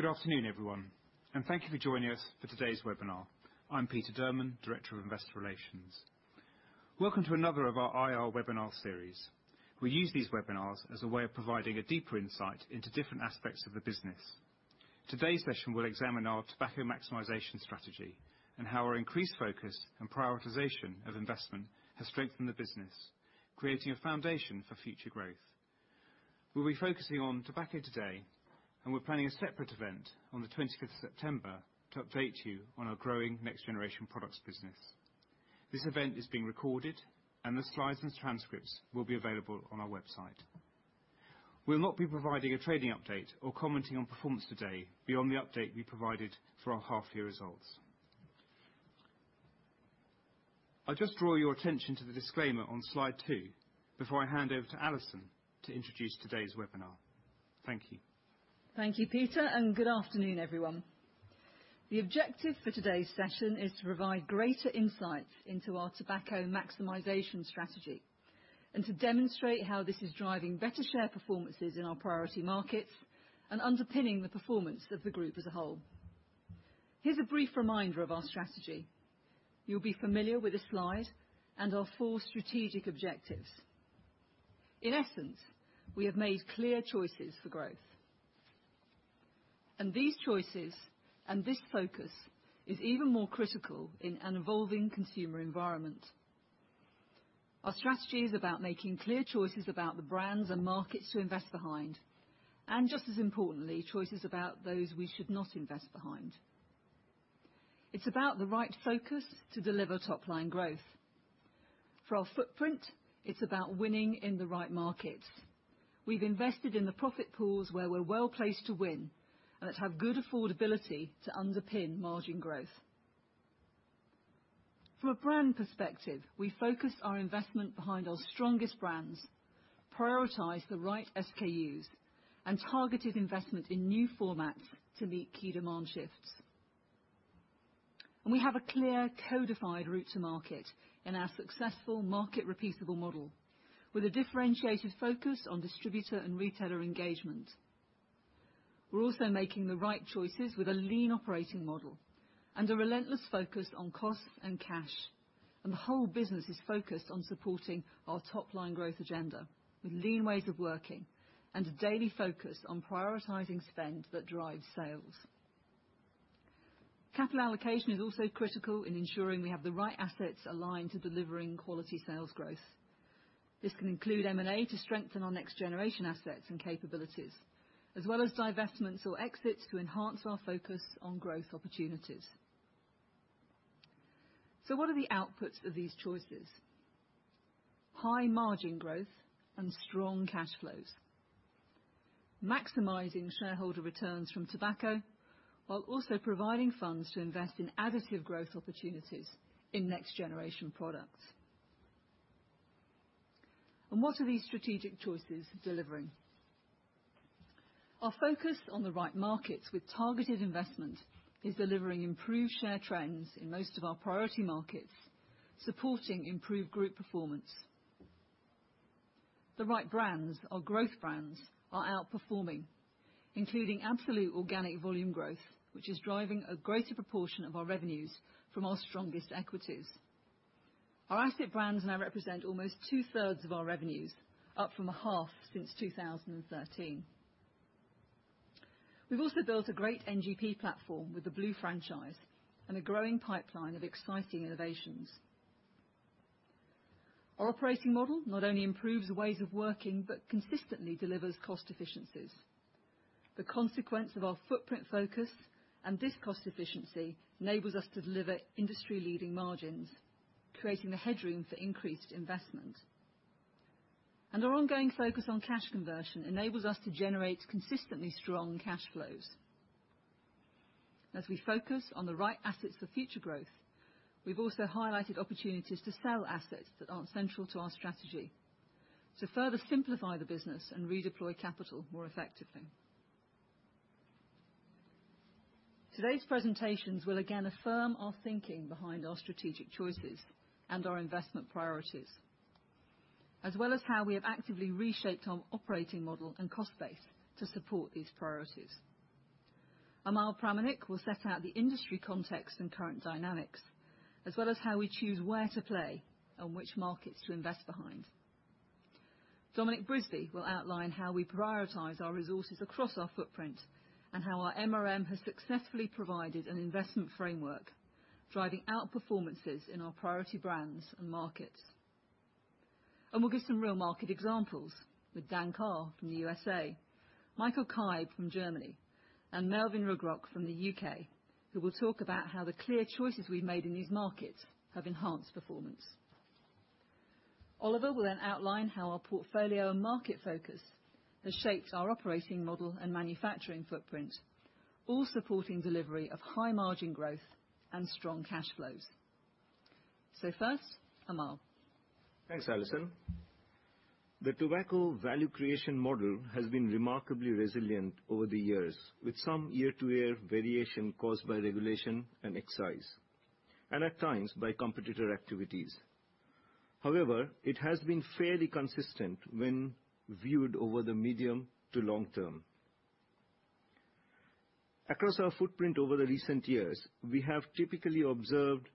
Good afternoon, everyone. Thank you for joining us for today's webinar. I'm Peter Durman, Director of Investor Relations. Welcome to another of our IR webinar series. We use these webinars as a way of providing a deeper insight into different aspects of the business. Today's session will examine our Tobacco Max strategy and how our increased focus and prioritization of investment has strengthened the business, creating a foundation for future growth. We'll be focusing on tobacco today. We're planning a separate event on the 25th of September to update you on our growing next-generation products business. This event is being recorded. The slides and transcripts will be available on our website. We'll not be providing a trading update or commenting on performance today beyond the update we provided for our half-year results. I'll just draw your attention to the disclaimer on slide two before I hand over to Alison to introduce today's webinar. Thank you. Thank you, Peter. Good afternoon, everyone. The objective for today's session is to provide greater insight into our Tobacco Max strategy and to demonstrate how this is driving better share performances in our priority markets, underpinning the performance of the group as a whole. Here's a brief reminder of our strategy. You'll be familiar with this slide and our four strategic objectives. In essence, we have made clear choices for growth. These choices and this focus is even more critical in an evolving consumer environment. Our strategy is about making clear choices about the brands and markets to invest behind, just as importantly, choices about those we should not invest behind. It's about the right focus to deliver top-line growth. For our footprint, it's about winning in the right markets. We've invested in the profit pools where we're well-placed to win that have good affordability to underpin margin growth. From a brand perspective, we focused our investment behind our strongest brands, prioritized the right SKUs, targeted investment in new formats to meet key demand shifts. We have a clear codified route to market in our successful market repeatable model with a differentiated focus on distributor and retailer engagement. We're also making the right choices with a lean operating model and a relentless focus on costs and cash. The whole business is focused on supporting our top-line growth agenda with lean ways of working and a daily focus on prioritizing spend that drives sales. Capital allocation is also critical in ensuring we have the right assets aligned to delivering quality sales growth. This can include M&A to strengthen our next-generation assets and capabilities, as well as divestments or exits to enhance our focus on growth opportunities. What are the outputs of these choices? High margin growth and strong cash flows. Maximizing shareholder returns from tobacco, while also providing funds to invest in additive growth opportunities in next-generation products. What are these strategic choices delivering? Our focus on the right markets with targeted investment is delivering improved share trends in most of our priority markets, supporting improved group performance. The right brands, our growth brands, are outperforming, including absolute organic volume growth, which is driving a greater proportion of our revenues from our strongest equities. Our asset brands now represent almost two-thirds of our revenues, up from a half since 2013. We've also built a great NGP platform with the blu franchise and a growing pipeline of exciting innovations. Our operating model not only improves ways of working but consistently delivers cost efficiencies. The consequence of our footprint focus and this cost efficiency enables us to deliver industry-leading margins, creating the headroom for increased investment. Our ongoing focus on cash conversion enables us to generate consistently strong cash flows. As we focus on the right assets for future growth, we've also highlighted opportunities to sell assets that aren't central to our strategy to further simplify the business and redeploy capital more effectively. Today's presentations will again affirm our thinking behind our strategic choices and our investment priorities, as well as how we have actively reshaped our operating model and cost base to support these priorities. Amal Pramanik will set out the industry context and current dynamics, as well as how we choose where to play and which markets to invest behind. Dominic Brisby will outline how we prioritize our resources across our footprint and how our MRM has successfully provided an investment framework, driving out performances in our priority brands and markets. We'll give some real market examples with Dan Carr from the U.S., Michael Kaib from Germany, and Melvin Ruigrok from the U.K., who will talk about how the clear choices we've made in these markets have enhanced performance. Oliver will then outline how our portfolio and market focus has shaped our operating model and manufacturing footprint, all supporting delivery of high margin growth and strong cash flows. First, Amal. Thanks, Alison. The tobacco value creation model has been remarkably resilient over the years, with some year-to-year variation caused by regulation and excise, and at times by competitor activities. However, it has been fairly consistent when viewed over the medium to long term. Across our footprint over the recent years, we have typically observed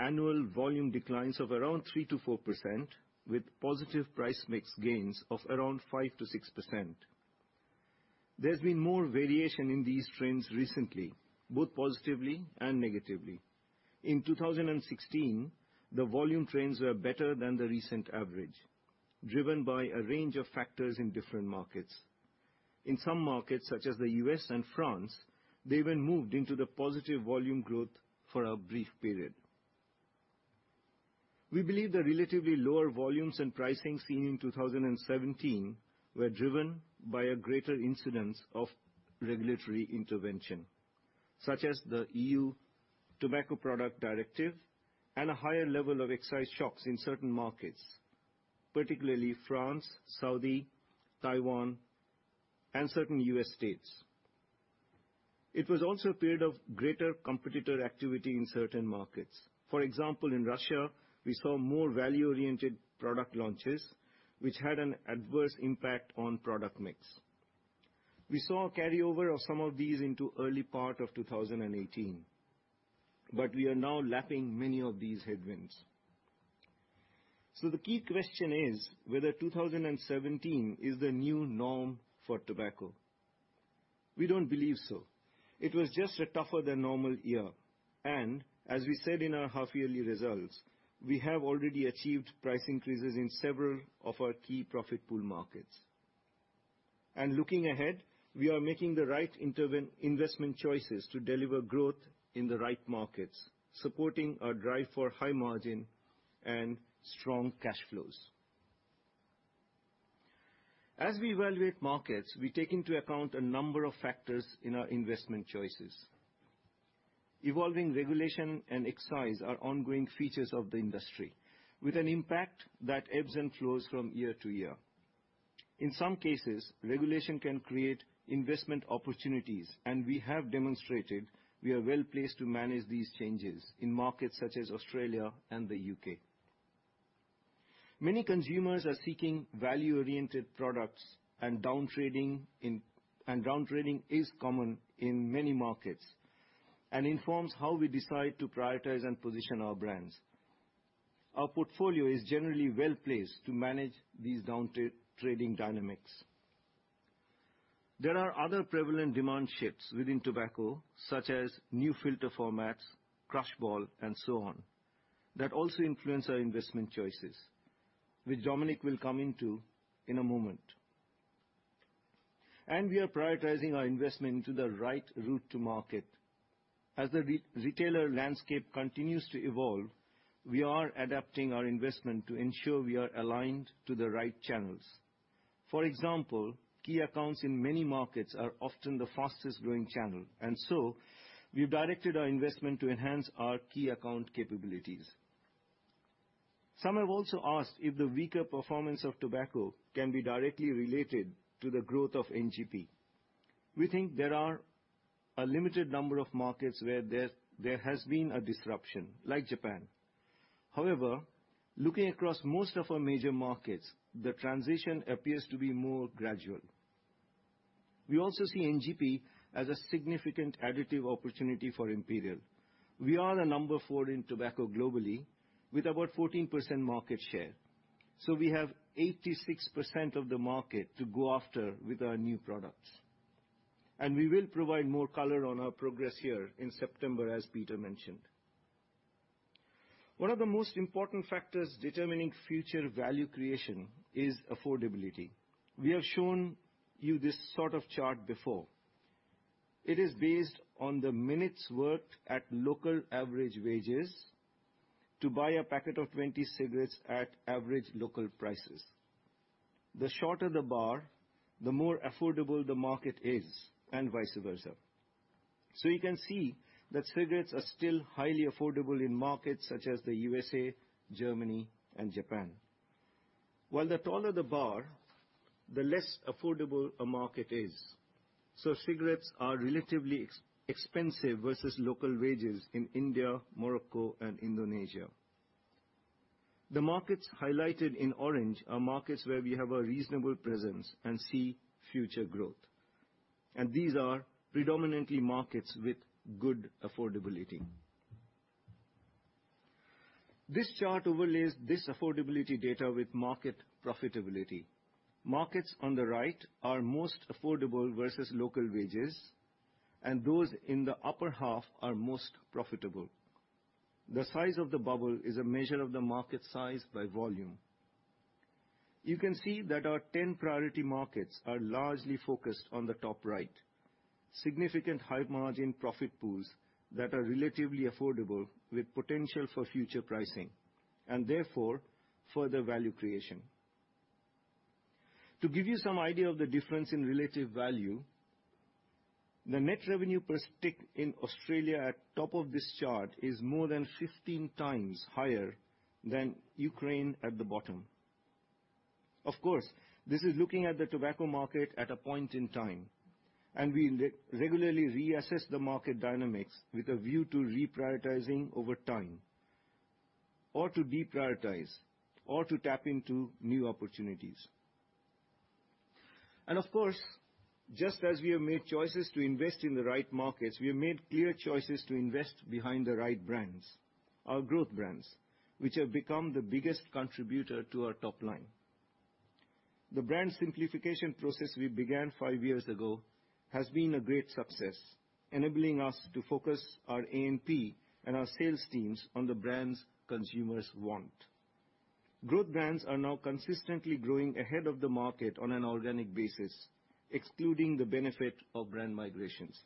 annual volume declines of around 3%-4% with positive price mix gains of around 5%-6%. There's been more variation in these trends recently, both positively and negatively. In 2016, the volume trends were better than the recent average, driven by a range of factors in different markets. In some markets, such as the U.S. and France, they even moved into the positive volume growth for a brief period. We believe the relatively lower volumes and pricing seen in 2017 were driven by a greater incidence of regulatory intervention, such as the EU Tobacco Products Directive and a higher level of excise shocks in certain markets, particularly France, Saudi, Taiwan, and certain U.S. states. It was also a period of greater competitor activity in certain markets. For example, in Russia, we saw more value-oriented product launches, which had an adverse impact on product mix. We saw a carryover of some of these into early part of 2018, but we are now lapping many of these headwinds. The key question is whether 2017 is the new norm for tobacco. We don't believe so. It was just a tougher than normal year. As we said in our half-yearly results, we have already achieved price increases in several of our key profit pool markets. Looking ahead, we are making the right investment choices to deliver growth in the right markets, supporting our drive for high margin and strong cash flows. As we evaluate markets, we take into account a number of factors in our investment choices. Evolving regulation and excise are ongoing features of the industry with an impact that ebbs and flows from year to year. In some cases, regulation can create investment opportunities, and we have demonstrated we are well-placed to manage these changes in markets such as Australia and the U.K. Many consumers are seeking value-oriented products and down trading is common in many markets and informs how we decide to prioritize and position our brands. Our portfolio is generally well-placed to manage these down trading dynamics. There are other prevalent demand shifts within tobacco, such as new filter formats, crushball, and so on, that also influence our investment choices, which Dominic will come into in a moment. We are prioritizing our investment into the right route to market. As the retailer landscape continues to evolve, we are adapting our investment to ensure we are aligned to the right channels. For example, key accounts in many markets are often the fastest growing channel, and so we've directed our investment to enhance our key account capabilities. Some have also asked if the weaker performance of tobacco can be directly related to the growth of NGP. We think there are a limited number of markets where there has been a disruption, like Japan. However, looking across most of our major markets, the transition appears to be more gradual. We also see NGP as a significant additive opportunity for Imperial. We are a number four in tobacco globally with about 14% market share. We have 86% of the market to go after with our new products. We will provide more color on our progress here in September, as Peter mentioned. One of the most important factors determining future value creation is affordability. We have shown you this sort of chart before. It is based on the minutes worked at local average wages to buy a packet of 20 cigarettes at average local prices. The shorter the bar, the more affordable the market is, and vice versa. You can see that cigarettes are still highly affordable in markets such as the U.S.A., Germany, and Japan. While the taller the bar, the less affordable a market is. Cigarettes are relatively expensive versus local wages in India, Morocco, and Indonesia. The markets highlighted in orange are markets where we have a reasonable presence and see future growth. These are predominantly markets with good affordability. This chart overlays this affordability data with market profitability. Markets on the right are most affordable versus local wages, and those in the upper half are most profitable. The size of the bubble is a measure of the market size by volume. You can see that our 10 priority markets are largely focused on the top right. Significant high margin profit pools that are relatively affordable with potential for future pricing and therefore further value creation. To give you some idea of the difference in relative value, the net revenue per stick in Australia at top of this chart is more than 15 times higher than Ukraine at the bottom. This is looking at the tobacco market at a point in time, and we regularly reassess the market dynamics with a view to reprioritizing over time, or to deprioritize, or to tap into new opportunities. Just as we have made choices to invest in the right markets, we have made clear choices to invest behind the right brands, our growth brands, which have become the biggest contributor to our top line. The brand simplification process we began five years ago has been a great success, enabling us to focus our AMP and our sales teams on the brands consumers want. Growth brands are now consistently growing ahead of the market on an organic basis, excluding the benefit of brand migrations.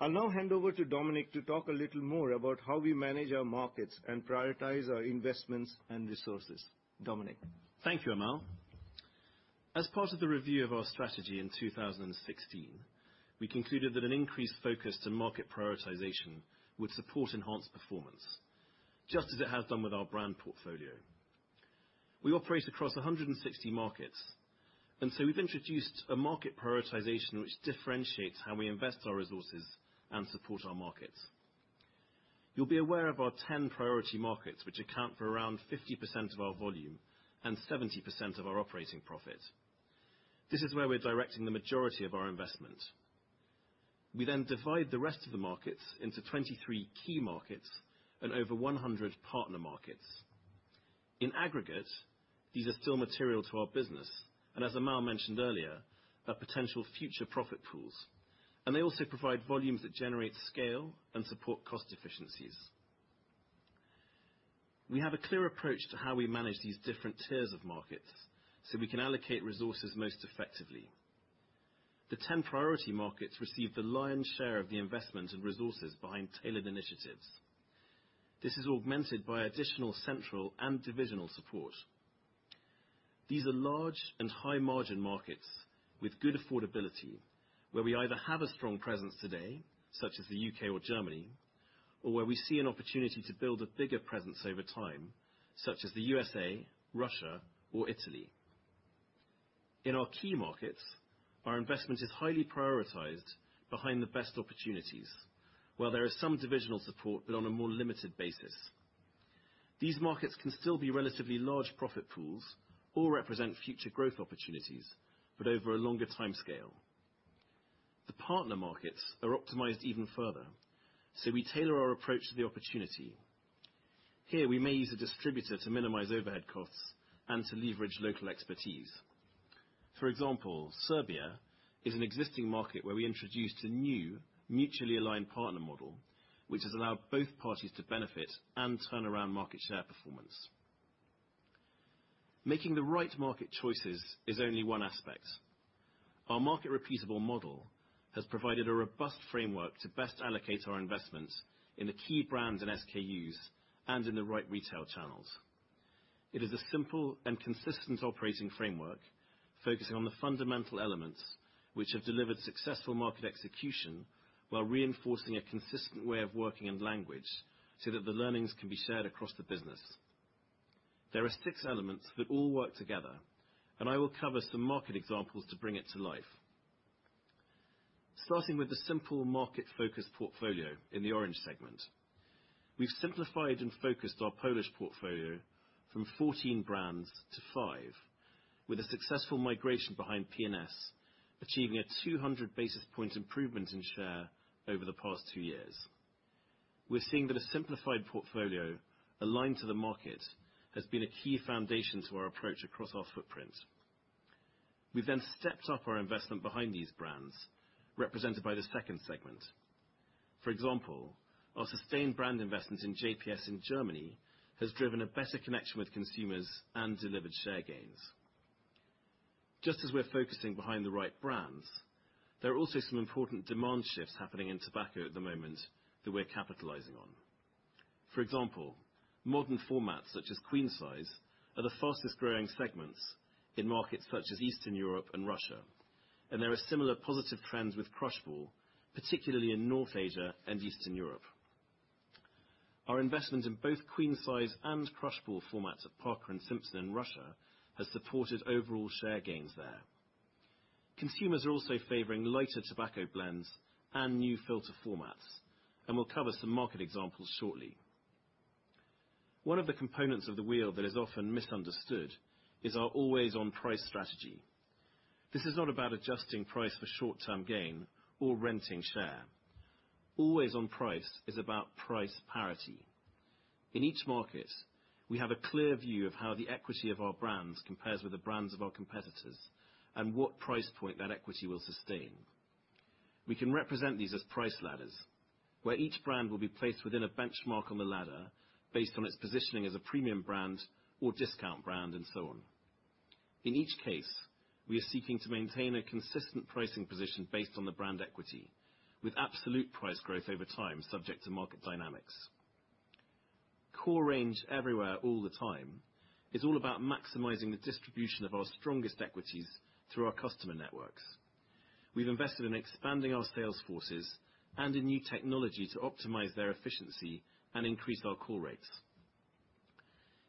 I'll now hand over to Dominic to talk a little more about how we manage our markets and prioritize our investments and resources. Dominic? Thank you, Amal. As part of the review of our strategy in 2016, we concluded that an increased focus to market prioritization would support enhanced performance, just as it has done with our brand portfolio. We operate across 160 markets. We've introduced a market prioritization which differentiates how we invest our resources and support our markets. You'll be aware of our 10 priority markets, which account for around 50% of our volume and 70% of our operating profit. This is where we're directing the majority of our investment. We divide the rest of the markets into 23 key markets and over 100 partner markets. In aggregate, these are still material to our business, and as Amal mentioned earlier, are potential future profit pools, and they also provide volumes that generate scale and support cost efficiencies. We have a clear approach to how we manage these different tiers of markets so we can allocate resources most effectively. The 10 priority markets receive the lion's share of the investment and resources behind tailored initiatives. This is augmented by additional central and divisional support. These are large and high-margin markets with good affordability, where we either have a strong presence today, such as the U.K. or Germany, or where we see an opportunity to build a bigger presence over time, such as the U.S.A., Russia, or Italy. In our key markets, our investment is highly prioritized behind the best opportunities, while there is some divisional support, but on a more limited basis. These markets can still be relatively large profit pools or represent future growth opportunities, but over a longer timescale. The partner markets are optimized even further. We tailor our approach to the opportunity. Here, we may use a distributor to minimize overhead costs and to leverage local expertise. For example, Serbia is an existing market where we introduced a new mutually aligned partner model, which has allowed both parties to benefit and turn around market share performance. Making the right market choices is only one aspect. Our market repeatable model has provided a robust framework to best allocate our investment in the key brands and SKUs and in the right retail channels. It is a simple and consistent operating framework focusing on the fundamental elements which have delivered successful market execution while reinforcing a consistent way of working in language so that the learnings can be shared across the business. There are six elements that all work together, and I will cover some market examples to bring it to life. Starting with the simple market focus portfolio in the orange segment. We've simplified and focused our Polish portfolio from 14 brands to five, with a successful migration behind P&S, achieving a 200 basis point improvement in share over the past two years. We're seeing that a simplified portfolio aligned to the market has been a key foundation to our approach across our footprint. We then stepped up our investment behind these brands, represented by the second segment. For example, our sustained brand investment in JPS in Germany has driven a better connection with consumers and delivered share gains. Just as we're focusing behind the right brands, there are also some important demand shifts happening in tobacco at the moment that we're capitalizing on. For example, modern formats such as Queen-size are the fastest-growing segments in markets such as Eastern Europe and Russia, and there are similar positive trends with crushball, particularly in North Asia and Eastern Europe. Our investment in both Queen-size and crushball formats at Parker & Simpson in Russia has supported overall share gains there. Consumers are also favoring lighter tobacco blends and new filter formats, and we'll cover some market examples shortly. One of the components of the wheel that is often misunderstood is our always-on price strategy. This is not about adjusting price for short-term gain or renting share. Always on price is about price parity. In each market, we have a clear view of how the equity of our brands compares with the brands of our competitors and what price point that equity will sustain. We can represent these as price ladders, where each brand will be placed within a benchmark on the ladder based on its positioning as a premium brand or discount brand, and so on. In each case, we are seeking to maintain a consistent pricing position based on the brand equity with absolute price growth over time, subject to market dynamics. Core range everywhere all the time is all about maximizing the distribution of our strongest equities through our customer networks. We've invested in expanding our sales forces and in new technology to optimize their efficiency and increase our call rates.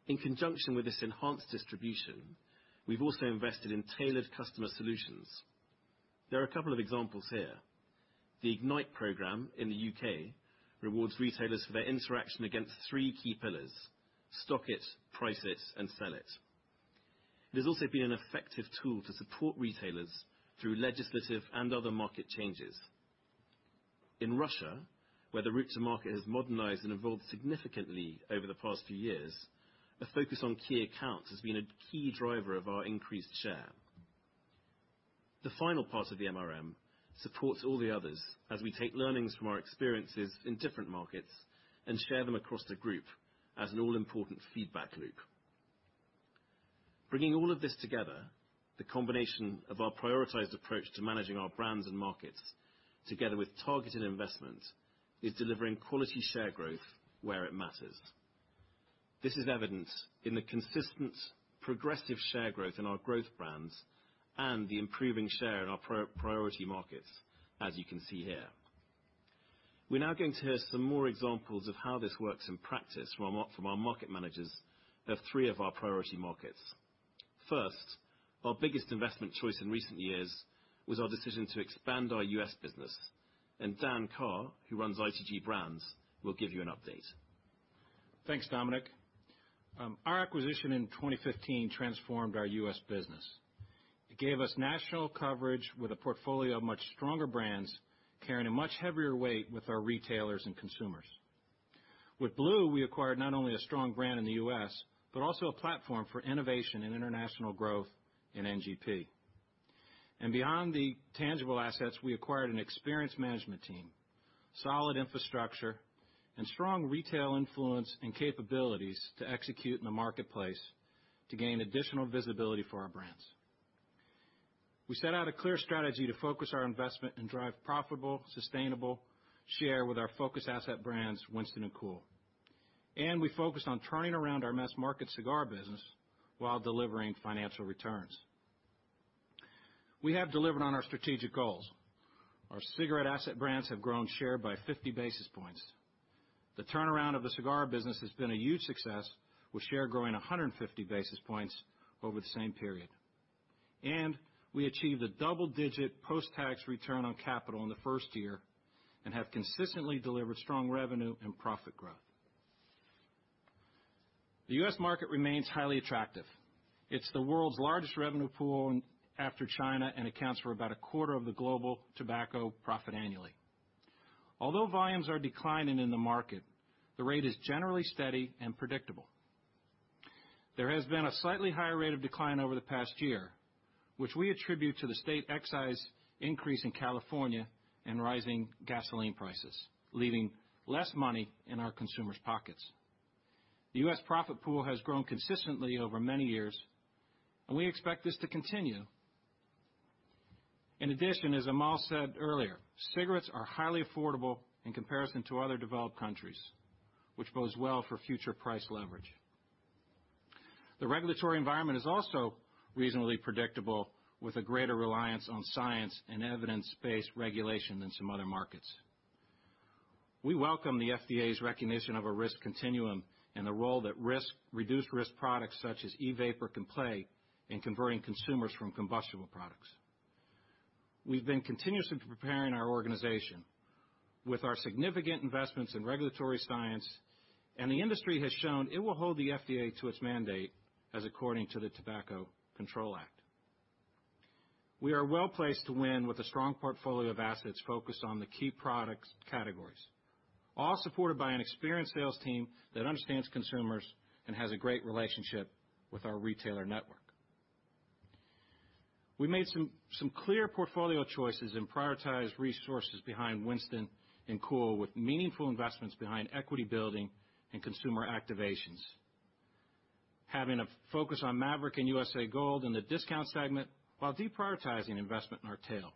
In conjunction with this enhanced distribution, we've also invested in tailored customer solutions. There are a couple of examples here. The Ignite program in the U.K. rewards retailers for their interaction against three key pillars: stock it, price it, and sell it. It has also been an effective tool to support retailers through legislative and other market changes. In Russia, where the route to market has modernized and evolved significantly over the past few years, a focus on key accounts has been a key driver of our increased share. The final part of the MRM supports all the others as we take learnings from our experiences in different markets and share them across the group as an all-important feedback loop. Bringing all of this together, the combination of our prioritized approach to managing our brands and markets, together with targeted investment, is delivering quality share growth where it matters. This is evidenced in the consistent progressive share growth in our growth brands and the improving share in our priority markets, as you can see here. We are now going to hear some more examples of how this works in practice from our market managers of three of our priority markets. First, our biggest investment choice in recent years was our decision to expand our U.S. business. Dan Carr, who runs ITG Brands, will give you an update. Thanks, Dominic. Our acquisition in 2015 transformed our U.S. business. It gave us national coverage with a portfolio of much stronger brands, carrying a much heavier weight with our retailers and consumers. With blu, we acquired not only a strong brand in the U.S., but also a platform for innovation and international growth in NGP. Beyond the tangible assets, we acquired an experienced management team, solid infrastructure, and strong retail influence and capabilities to execute in the marketplace to gain additional visibility for our brands. We set out a clear strategy to focus our investment and drive profitable, sustainable share with our focus asset brands, Winston and Kool. We focused on turning around our mass-market cigar business while delivering financial returns. We have delivered on our strategic goals. Our cigarette asset brands have grown share by 50 basis points. The turnaround of the cigar business has been a huge success, with share growing 150 basis points over the same period. We achieved a double-digit post-tax return on capital in the first year and have consistently delivered strong revenue and profit growth. The U.S. market remains highly attractive. It is the world's largest revenue pool after China and accounts for about a quarter of the global tobacco profit annually. Although volumes are declining in the market, the rate is generally steady and predictable. There has been a slightly higher rate of decline over the past year, which we attribute to the state excise increase in California and rising gasoline prices, leaving less money in our consumers' pockets. The U.S. profit pool has grown consistently over many years, and we expect this to continue. In addition, as Amal said earlier, cigarettes are highly affordable in comparison to other developed countries, which bodes well for future price leverage. The regulatory environment is also reasonably predictable, with a greater reliance on science and evidence-based regulation than some other markets. We welcome the FDA's recognition of a risk continuum and the role that reduced-risk products such as e-vapor can play in converting consumers from combustible products. We've been continuously preparing our organization with our significant investments in regulatory science. The industry has shown it will hold the FDA to its mandate as according to the Tobacco Control Act. We are well-placed to win with a strong portfolio of assets focused on the key product categories, all supported by an experienced sales team that understands consumers and has a great relationship with our retailer network. We made some clear portfolio choices and prioritized resources behind Winston and Kool with meaningful investments behind equity building and consumer activations. Having a focus on Maverick and USA Gold in the discount segment, while deprioritizing investment in our tail.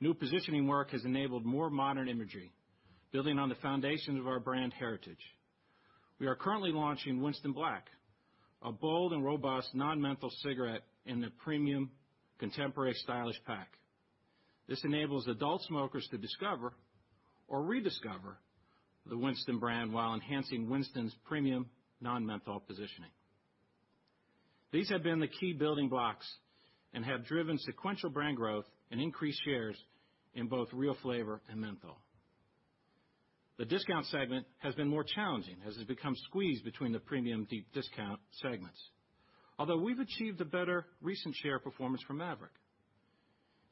New positioning work has enabled more modern imagery, building on the foundations of our brand heritage. We are currently launching Winston Black, a bold and robust non-menthol cigarette in the premium contemporary stylish pack. This enables adult smokers to discover or rediscover the Winston brand while enhancing Winston's premium non-menthol positioning. These have been the key building blocks and have driven sequential brand growth and increased shares in both real flavor and menthol. The discount segment has been more challenging as it become squeezed between the premium deep discount segments. Although we've achieved a better recent share performance for Maverick.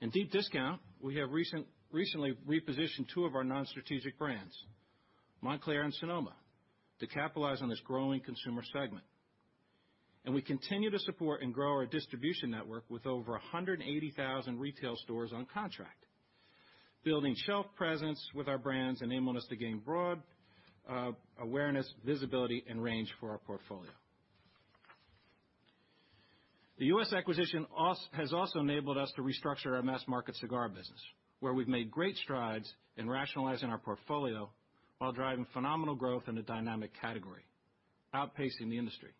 In deep discount, we have recently repositioned two of our non-strategic brands, Montclair and Sonoma, to capitalize on this growing consumer segment. We continue to support and grow our distribution network with over 180,000 retail stores on contract. Building shelf presence with our brands enabling us to gain broad awareness, visibility, and range for our portfolio. The U.S. acquisition has also enabled us to restructure our mass-market cigar business, where we've made great strides in rationalizing our portfolio while driving phenomenal growth in a dynamic category, outpacing the industry.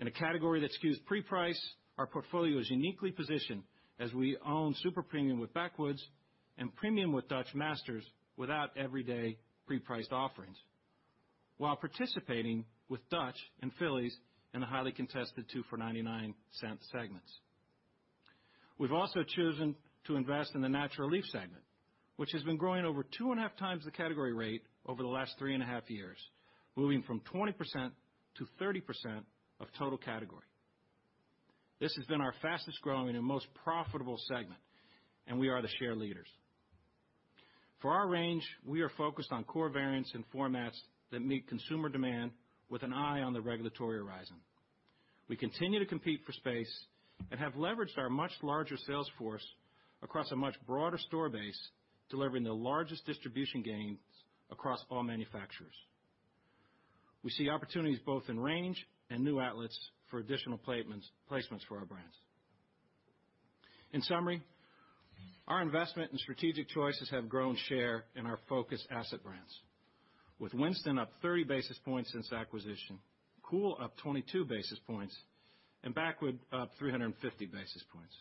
In a category that skews pre-priced, our portfolio is uniquely positioned as we own super premium with Backwoods and premium with Dutch Masters without everyday pre-priced offerings, while participating with Dutch and Phillies in the highly contested two for $0.99 segments. We've also chosen to invest in the natural leaf segment, which has been growing over two and a half times the category rate over the last three and a half years, moving from 20% to 30% of total category. This has been our fastest-growing and most profitable segment. We are the share leaders. For our range, we are focused on core variants and formats that meet consumer demand with an eye on the regulatory horizon. We continue to compete for space and have leveraged our much larger sales force across a much broader store base, delivering the largest distribution gains across all manufacturers. We see opportunities both in range and new outlets for additional placements for our brands. In summary, our investment and strategic choices have grown share in our focus asset brands. With Winston up 30 basis points since acquisition, Kool up 22 basis points, and Backwoods up 350 basis points.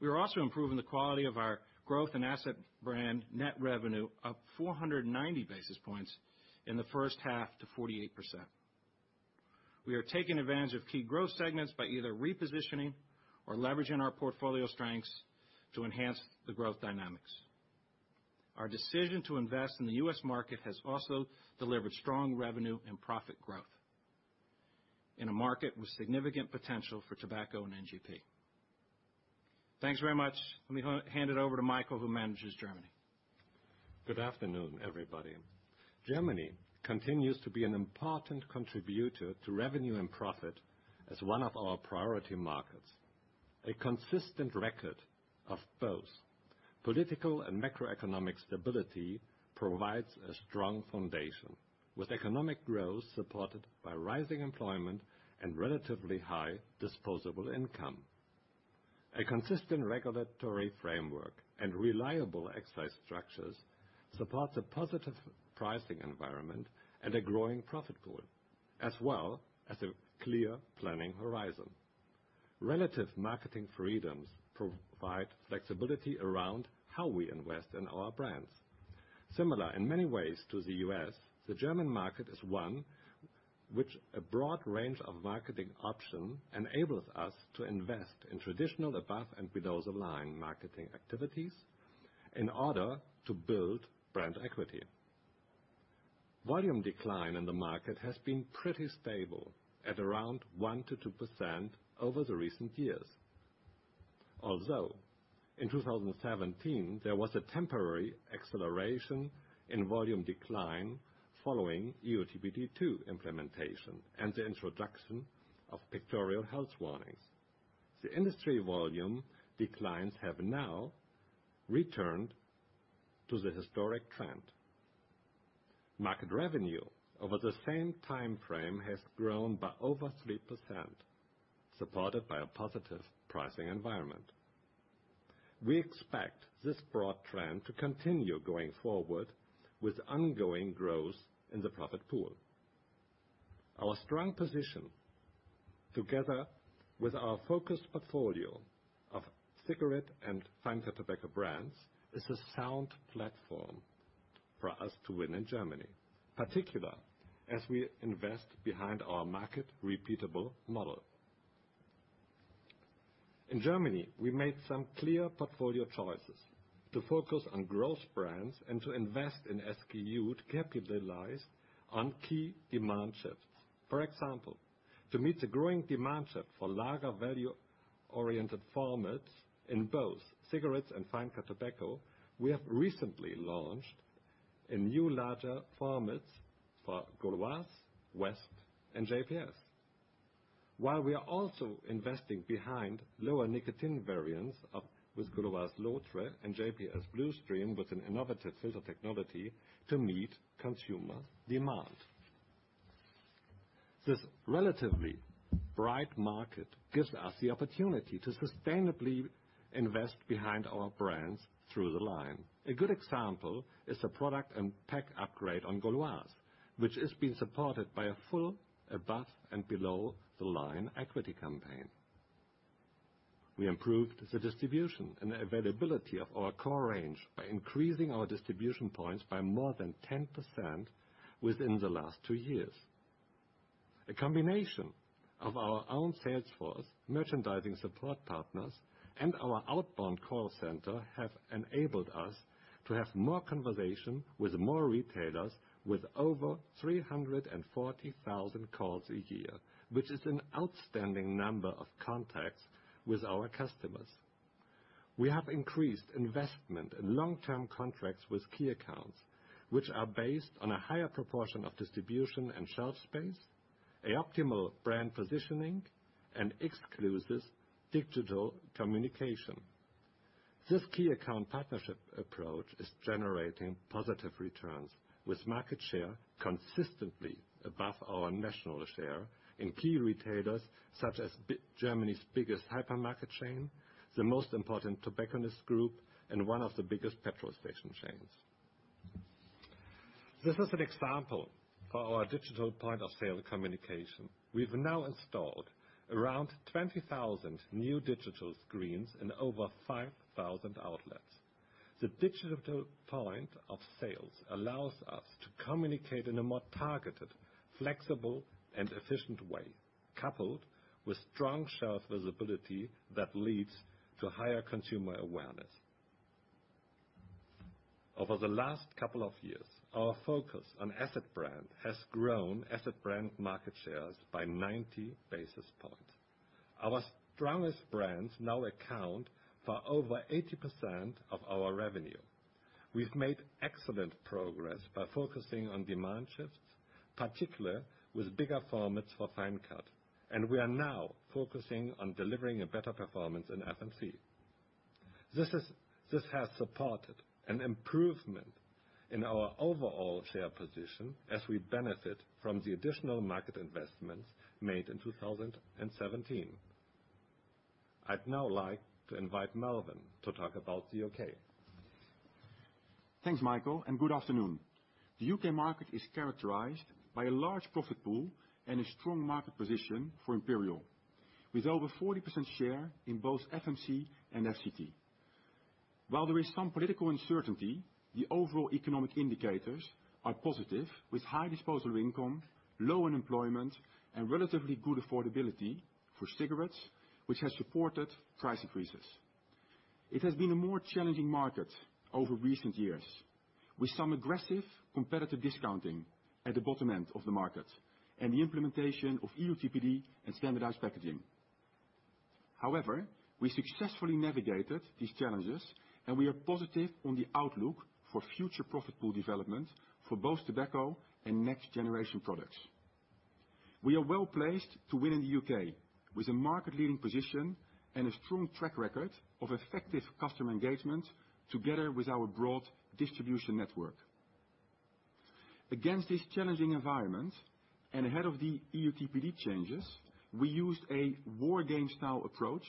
We are also improving the quality of our growth and asset brand net revenue up 490 basis points in the first half to 48%. We are taking advantage of key growth segments by either repositioning or leveraging our portfolio strengths to enhance the growth dynamics. Our decision to invest in the U.S. market has also delivered strong revenue and profit growth in a market with significant potential for tobacco and NGP. Thanks very much. Let me hand it over to Michael, who manages Germany. Good afternoon, everybody. Germany continues to be an important contributor to revenue and profit as one of our priority markets. A consistent record of both political and macroeconomic stability provides a strong foundation, with economic growth supported by rising employment and relatively high disposable income. A consistent regulatory framework and reliable excise structures supports a positive pricing environment and a growing profit pool, as well as a clear planning horizon. Relative marketing freedoms provide flexibility around how we invest in our brands. Similar in many ways to the U.S., the German market is one which a broad range of marketing option enables us to invest in traditional above and below line marketing activities in order to build brand equity. Volume decline in the market has been pretty stable at around 1% to 2% over the recent years. Although in 2017, there was a temporary acceleration in volume decline following EU TPD2 implementation and the introduction of pictorial health warnings. The industry volume declines have now returned to the historic trend. Market revenue over the same time frame has grown by over 3%, supported by a positive pricing environment. We expect this broad trend to continue going forward with ongoing growth in the profit pool. Our strong position together with our focused portfolio of cigarette and Fine Cut Tobacco brands is a sound platform for us to win in Germany, particular as we invest behind our market repeatable model. In Germany, we made some clear portfolio choices to focus on growth brands and to invest in SKU to capitalize on key demand shifts. For example, to meet the growing demand shift for larger value-oriented formats in both cigarettes and Fine Cut Tobacco, we have recently launched a new larger formats for Gauloises, West, and JPS. While we are also investing behind lower nicotine variants of with Gauloises Blondes and JPS Blue Stream with an innovative filter technology to meet consumer demand. This relatively bright market gives us the opportunity to sustainably invest behind our brands through the line. A good example is the product and pack upgrade on Gauloises, which is being supported by a full above and below the line equity campaign. We improved the distribution and availability of our core range by increasing our distribution points by more than 10% within the last two years. A combination of our own sales force, merchandising support partners, and our outbound call center have enabled us to have more conversation with more retailers with over 340,000 calls a year, which is an outstanding number of contacts with our customers. We have increased investment in long-term contracts with key accounts, which are based on a higher proportion of distribution and shelf space, a optimal brand positioning, and exclusive digital communication. This key account partnership approach is generating positive returns with market share consistently above our national share in key retailers such as Germany's biggest hypermarket chain, the most important tobacconist group, and one of the biggest petrol station chains. This is an example for our digital point of sale communication. We've now installed around 20,000 new digital screens in over 5,000 outlets. The digital point of sales allows us to communicate in a more targeted, flexible, and efficient way, coupled with strong shelf visibility that leads to higher consumer awareness. Over the last couple of years, our focus on asset brand has grown asset brand market shares by 90 basis points. Our strongest brands now account for over 80% of our revenue. We've made excellent progress by focusing on demand shifts, particularly with bigger formats for fine cut, and we are now focusing on delivering a better performance in FMC. This has supported an improvement in our overall share position as we benefit from the additional market investments made in 2017. I'd now like to invite Melvin to talk about the U.K. Thanks, Michael, and good afternoon. The U.K. market is characterized by a large profit pool and a strong market position for Imperial, with over 40% share in both FMC and FCT. While there is some political uncertainty, the overall economic indicators are positive, with high disposable income, low unemployment, and relatively good affordability for cigarettes, which has supported price increases. It has been a more challenging market over recent years, with some aggressive competitive discounting at the bottom end of the market and the implementation of EUTPD and standardized packaging. However, we successfully navigated these challenges, and we are positive on the outlook for future profit pool development for both tobacco and next-generation products. We are well-placed to win in the U.K., with a market-leading position and a strong track record of effective customer engagement together with our broad distribution network. Against this challenging environment, and ahead of the EUTPD changes, we used a war game style approach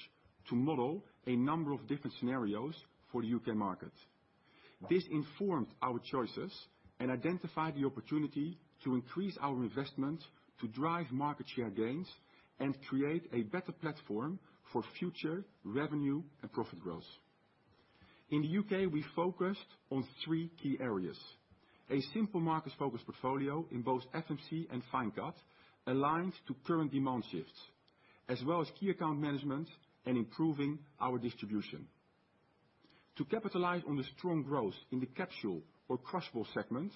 to model a number of different scenarios for the U.K. market. This informed our choices and identified the opportunity to increase our investment to drive market share gains and create a better platform for future revenue and profit growth. In the U.K., we focused on three key areas. A simple market-focused portfolio in both FMC and fine cut aligns to current demand shifts, as well as key account management and improving our distribution. To capitalize on the strong growth in the capsule or crushball segment,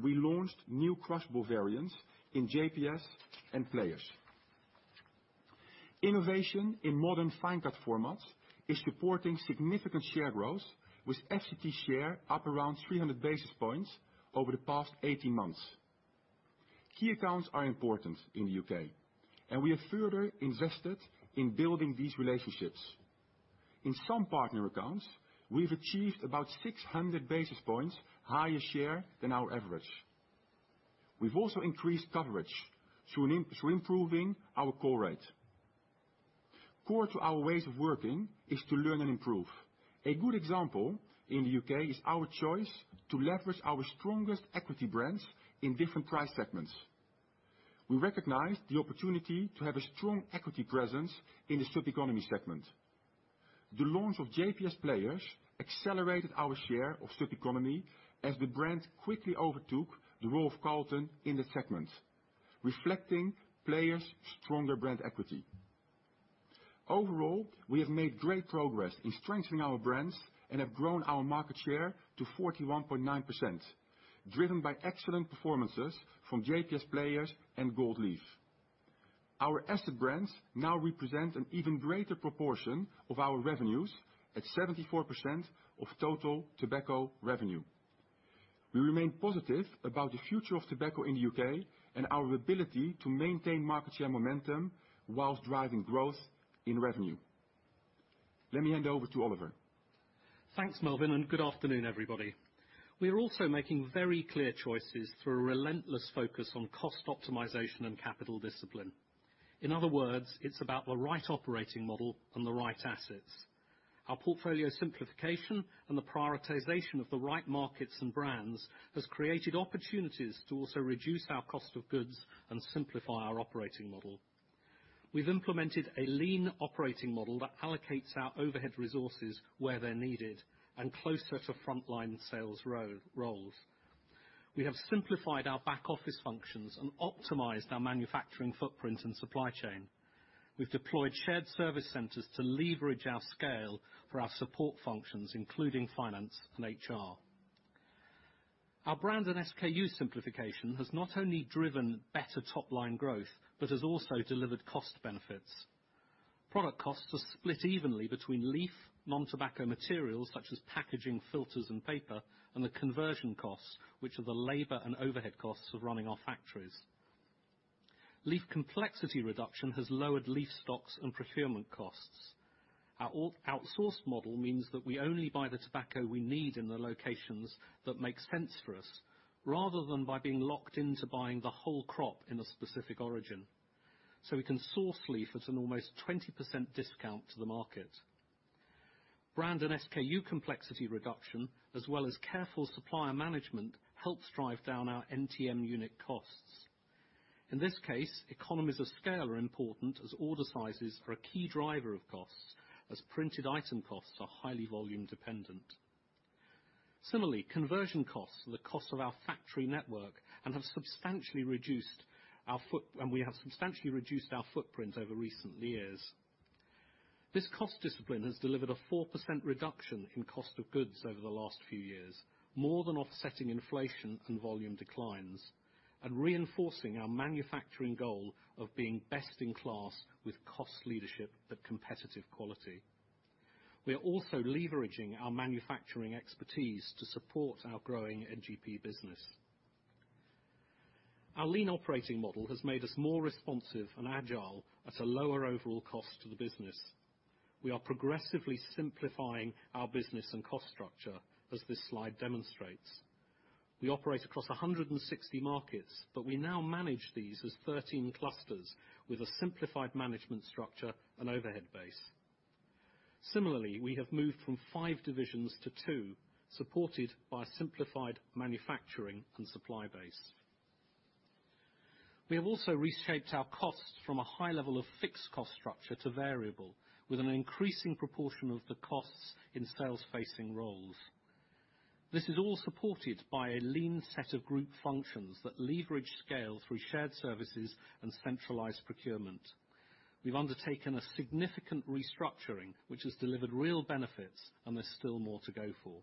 we launched new crushball variants in JPS and Players. Innovation in modern fine cut formats is supporting significant share growth, with FCT share up around 300 basis points over the past 18 months. Key accounts are important in the U.K., we have further invested in building these relationships. In some partner accounts, we've achieved about 600 basis points higher share than our average. We've also increased coverage through improving our call rates. Core to our ways of working is to learn and improve. A good example in the U.K. is our choice to leverage our strongest equity brands in different price segments. We recognized the opportunity to have a strong equity presence in the sub-economy segment. The launch of JPS Players accelerated our share of sub-economy as the brand quickly overtook the role of Carlton in that segment, reflecting Players' stronger brand equity. Overall, we have made great progress in strengthening our brands and have grown our market share to 41.9%, driven by excellent performances from JPS Players and Gold Leaf. Our asset brands now represent an even greater proportion of our revenues at 74% of total tobacco revenue. We remain positive about the future of tobacco in the U.K. and our ability to maintain market share momentum while driving growth in revenue. Let me hand over to Oliver. Thanks, Melvin, and good afternoon, everybody. We are also making very clear choices through a relentless focus on cost optimization and capital discipline. In other words, it's about the right operating model and the right assets. Our portfolio simplification and the prioritization of the right markets and brands has created opportunities to also reduce our cost of goods and simplify our operating model. We've implemented a lean operating model that allocates our overhead resources where they're needed and closer to frontline sales roles. We have simplified our back-office functions and optimized our manufacturing footprint and supply chain. We've deployed shared service centers to leverage our scale for our support functions, including finance and HR. Our brand and SKU simplification has not only driven better top-line growth, but has also delivered cost benefits. Product costs are split evenly between leaf, non-tobacco materials such as packaging, filters, and paper, and the conversion costs, which are the labor and overhead costs of running our factories. Leaf complexity reduction has lowered leaf stocks and procurement costs. Our outsourced model means that we only buy the tobacco we need in the locations that make sense for us, rather than by being locked into buying the whole crop in a specific origin. We can source leaf at an almost 20% discount to the market. Brand and SKU complexity reduction, as well as careful supplier management, helps drive down our NTM unit costs. In this case, economies of scale are important as order sizes are a key driver of costs, as printed item costs are highly volume dependent. Similarly, conversion costs are the cost of our factory network, we have substantially reduced our footprint over recent years. This cost discipline has delivered a 4% reduction in cost of goods over the last few years, more than offsetting inflation and volume declines, and reinforcing our manufacturing goal of being best in class with cost leadership but competitive quality. We are also leveraging our manufacturing expertise to support our growing NGP business. Our lean operating model has made us more responsive and agile at a lower overall cost to the business. We are progressively simplifying our business and cost structure, as this slide demonstrates. We operate across 160 markets, but we now manage these as 13 clusters with a simplified management structure and overhead base. Similarly, we have moved from five divisions to two, supported by a simplified manufacturing and supply base. We have also reshaped our costs from a high level of fixed cost structure to variable, with an increasing proportion of the costs in sales-facing roles. This is all supported by a lean set of group functions that leverage scale through shared services and centralized procurement. We've undertaken a significant restructuring, which has delivered real benefits, and there's still more to go for.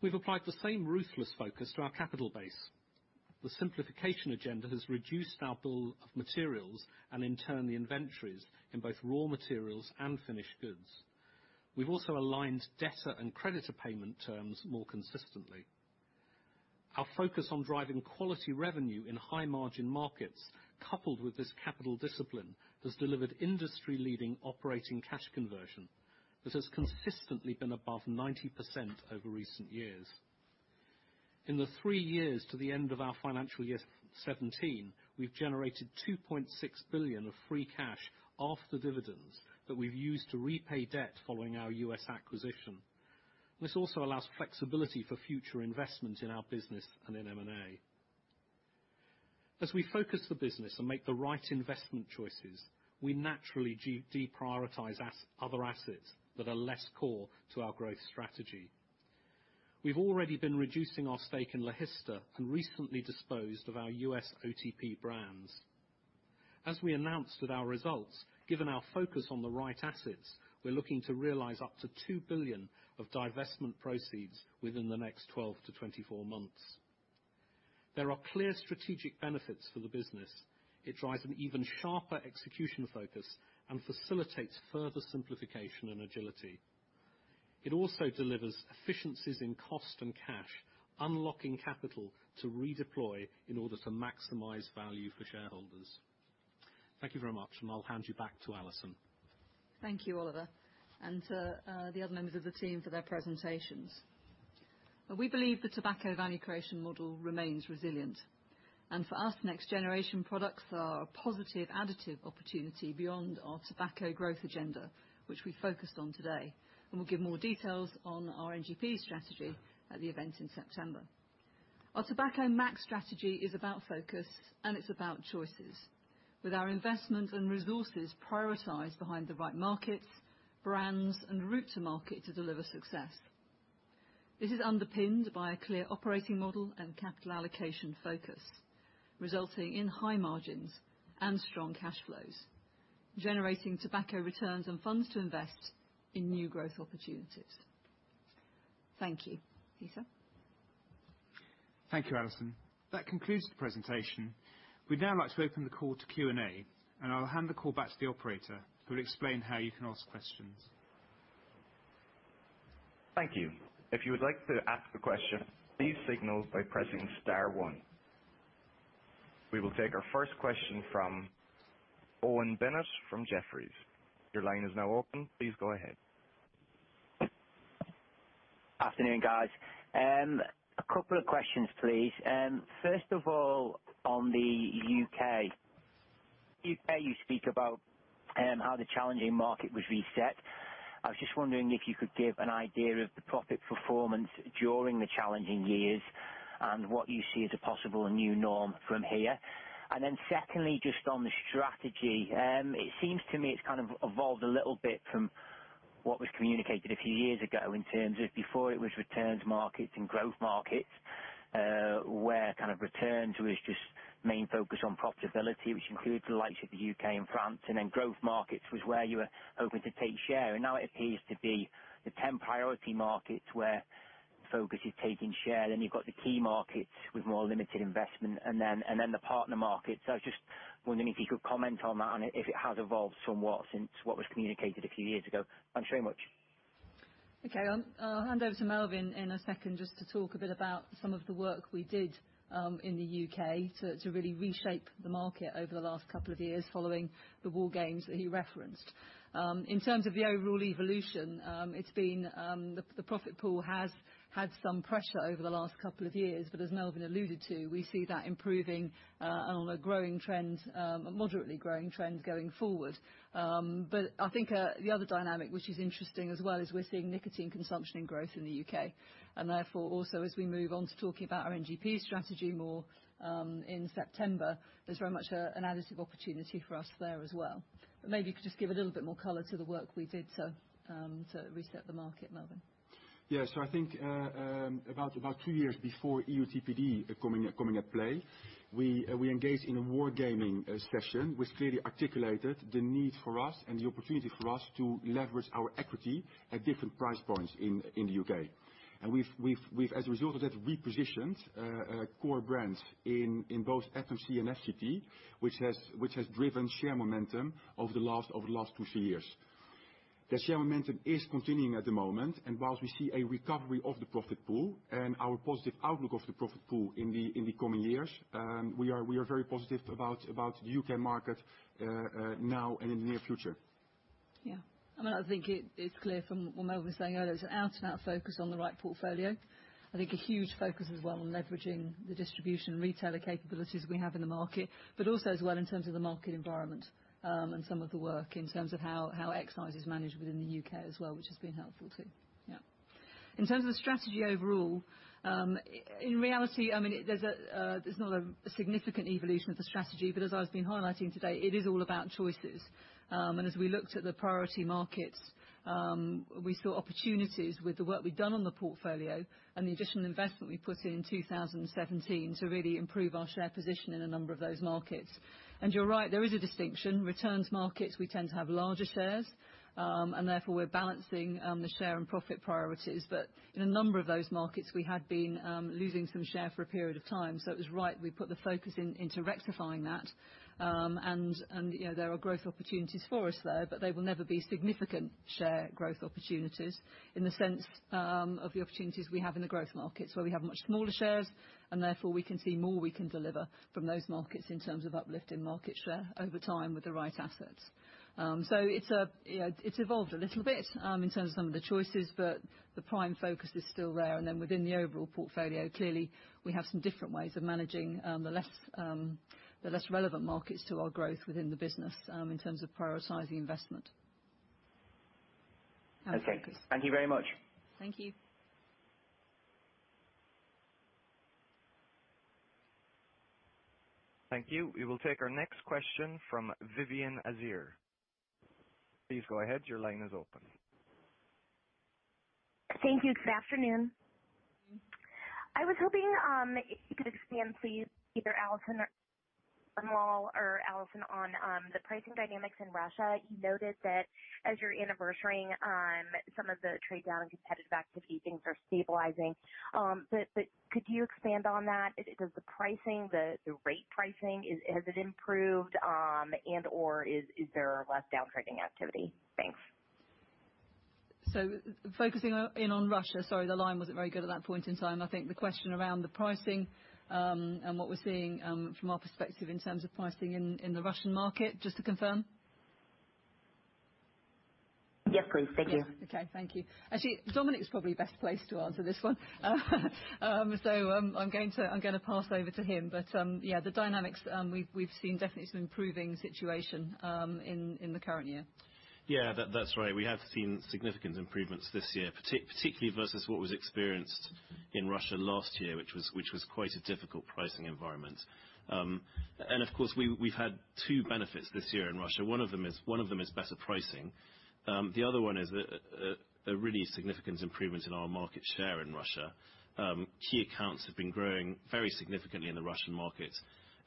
We've applied the same ruthless focus to our capital base. The simplification agenda has reduced our bill of materials and in turn, the inventories in both raw materials and finished goods. We've also aligned debtor and creditor payment terms more consistently. Our focus on driving quality revenue in high-margin markets, coupled with this capital discipline, has delivered industry-leading operating cash conversion that has consistently been above 90% over recent years. In the three years to the end of our financial year 2017, we've generated 2.6 billion of free cash after dividends that we've used to repay debt following our U.S. acquisition. This also allows flexibility for future investment in our business and in M&A. As we focus the business and make the right investment choices, we naturally deprioritize other assets that are less core to our growth strategy. We've already been reducing our stake in Logista and recently disposed of our U.S. OTP brands. As we announced with our results, given our focus on the right assets, we're looking to realize up to 2 billion of divestment proceeds within the next 12 to 24 months. There are clear strategic benefits for the business. It drives an even sharper execution focus and facilitates further simplification and agility. It also delivers efficiencies in cost and cash, unlocking capital to redeploy in order to maximize value for shareholders. Thank you very much, and I'll hand you back to Alison. Thank you, Oliver, and to the other members of the team for their presentations. We believe the tobacco value creation model remains resilient. For us, next generation products are a positive additive opportunity beyond our tobacco growth agenda, which we focused on today, and we'll give more details on our NGP strategy at the event in September. Our Tobacco Max strategy is about focus and it's about choices. With our investment and resources prioritized behind the right markets, brands, and route to market to deliver success. This is underpinned by a clear operating model and capital allocation focus, resulting in high margins and strong cash flows, generating tobacco returns and funds to invest in new growth opportunities. Thank you. Lisa? Thank you, Alison. That concludes the presentation. We'd now like to open the call to Q&A. I'll hand the call back to the operator who will explain how you can ask questions. Thank you. If you would like to ask a question, please signal by pressing star one. We will take our first question from Owen Bennett from Jefferies. Your line is now open. Please go ahead. Afternoon, guys. A couple of questions, please. First of all, on the U.K. U.K., you speak about how the challenging market was reset. I was just wondering if you could give an idea of the profit performance during the challenging years and what you see as a possible new norm from here. Secondly, just on the strategy. It seems to me it's evolved a little bit from what was communicated a few years ago in terms of before it was returns markets and growth markets, where returns was just main focus on profitability, which includes the likes of the U.K. and France. Growth markets was where you were hoping to take share. Now it appears to be the 10 priority markets where focus is taking share. You've got the key markets with more limited investment, and then the partner markets. I was just wondering if you could comment on that and if it has evolved somewhat since what was communicated a few years ago. Thanks very much. Okay. I'll hand over to Melvin in a second just to talk a bit about some of the work we did in the U.K. to really reshape the market over the last couple of years, following the war games that he referenced. In terms of the overall evolution, the profit pool has had some pressure over the last couple of years, but as Melvin alluded to, we see that improving on a moderately growing trend going forward. I think the other dynamic which is interesting as well is we're seeing nicotine consumption and growth in the U.K. Therefore, also, as we move on to talking about our NGP strategy more in September, there's very much an additive opportunity for us there as well. Maybe you could just give a little bit more color to the work we did to reset the market, Melvin. Yeah. I think about two years before EUTPD coming at play, we engaged in a war gaming session, which clearly articulated the need for us and the opportunity for us to leverage our equity at different price points in the U.K. We've, as a result of that, repositioned core brands in both FMC and FCT, which has driven share momentum over the last two, three years. The share momentum is continuing at the moment, whilst we see a recovery of the profit pool and our positive outlook of the profit pool in the coming years, we are very positive about the U.K. market now and in the near future. Yeah. I think it's clear from what Melvin was saying earlier, it's an out and out focus on the right portfolio. I think a huge focus as well on leveraging the distribution and retailer capabilities we have in the market, but also as well in terms of the market environment, and some of the work in terms of how excise is managed within the U.K. as well, which has been helpful too. Yeah. In terms of the strategy overall, in reality, there's not a significant evolution of the strategy, but as I've been highlighting today, it is all about choices. As we looked at the priority markets, we saw opportunities with the work we'd done on the portfolio and the additional investment we put in 2017 to really improve our share position in a number of those markets. You're right, there is a distinction. Returns markets, we tend to have larger shares, and therefore we're balancing the share and profit priorities. In a number of those markets, we had been losing some share for a period of time. It was right, we put the focus into rectifying that. There are growth opportunities for us there, but they will never be significant share growth opportunities in the sense of the opportunities we have in the growth markets, where we have much smaller shares and therefore we can see more we can deliver from those markets in terms of uplifting market share over time with the right assets. It's evolved a little bit, in terms of some of the choices, but the prime focus is still there. Within the overall portfolio, clearly, we have some different ways of managing the less relevant markets to our growth within the business, in terms of prioritizing investment. Okay. Thank you very much. Thank you. Thank you. We will take our next question from Vivien Azer. Please go ahead. Your line is open. Thank you. Good afternoon. I was hoping you could expand, please, either Amal or Alison on the pricing dynamics in Russia. You noted that as you're anniversarying on some of the trade down and competitive activity, things are stabilizing. Could you expand on that? Does the rate pricing, has it improved, and/or is there less downtrading activity? Thanks. Focusing in on Russia, sorry, the line wasn't very good at that point in time. I think the question around the pricing, and what we're seeing from our perspective in terms of pricing in the Russian market, just to confirm? Yes, please. Thank you. Yes. Okay. Thank you. Actually, Dominic's probably best placed to answer this one. I'm going to pass over to him. Yeah, the dynamics, we've seen definitely some improving situation in the current year. Yeah, that's right. We have seen significant improvements this year, particularly versus what was experienced in Russia last year, which was quite a difficult pricing environment. Of course, we've had two benefits this year in Russia. One of them is better pricing. The other one is a really significant improvement in our market share in Russia. Key accounts have been growing very significantly in the Russian market.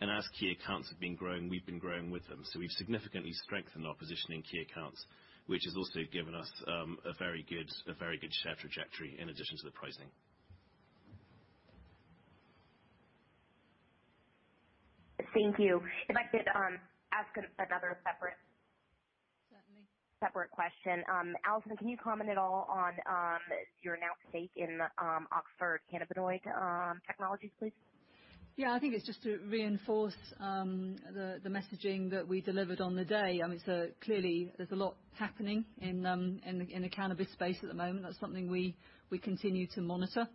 As key accounts have been growing, we've been growing with them. We've significantly strengthened our position in key accounts, which has also given us a very good share trajectory in addition to the pricing. Thank you. If I could ask another Certainly separate question. Alison, can you comment at all on your announced stake in Oxford Cannabinoid Technologies, please? Yeah, I think it's just to reinforce the messaging that we delivered on the day. Clearly, there's a lot happening in the cannabis space at the moment. That's something we continue to monitor.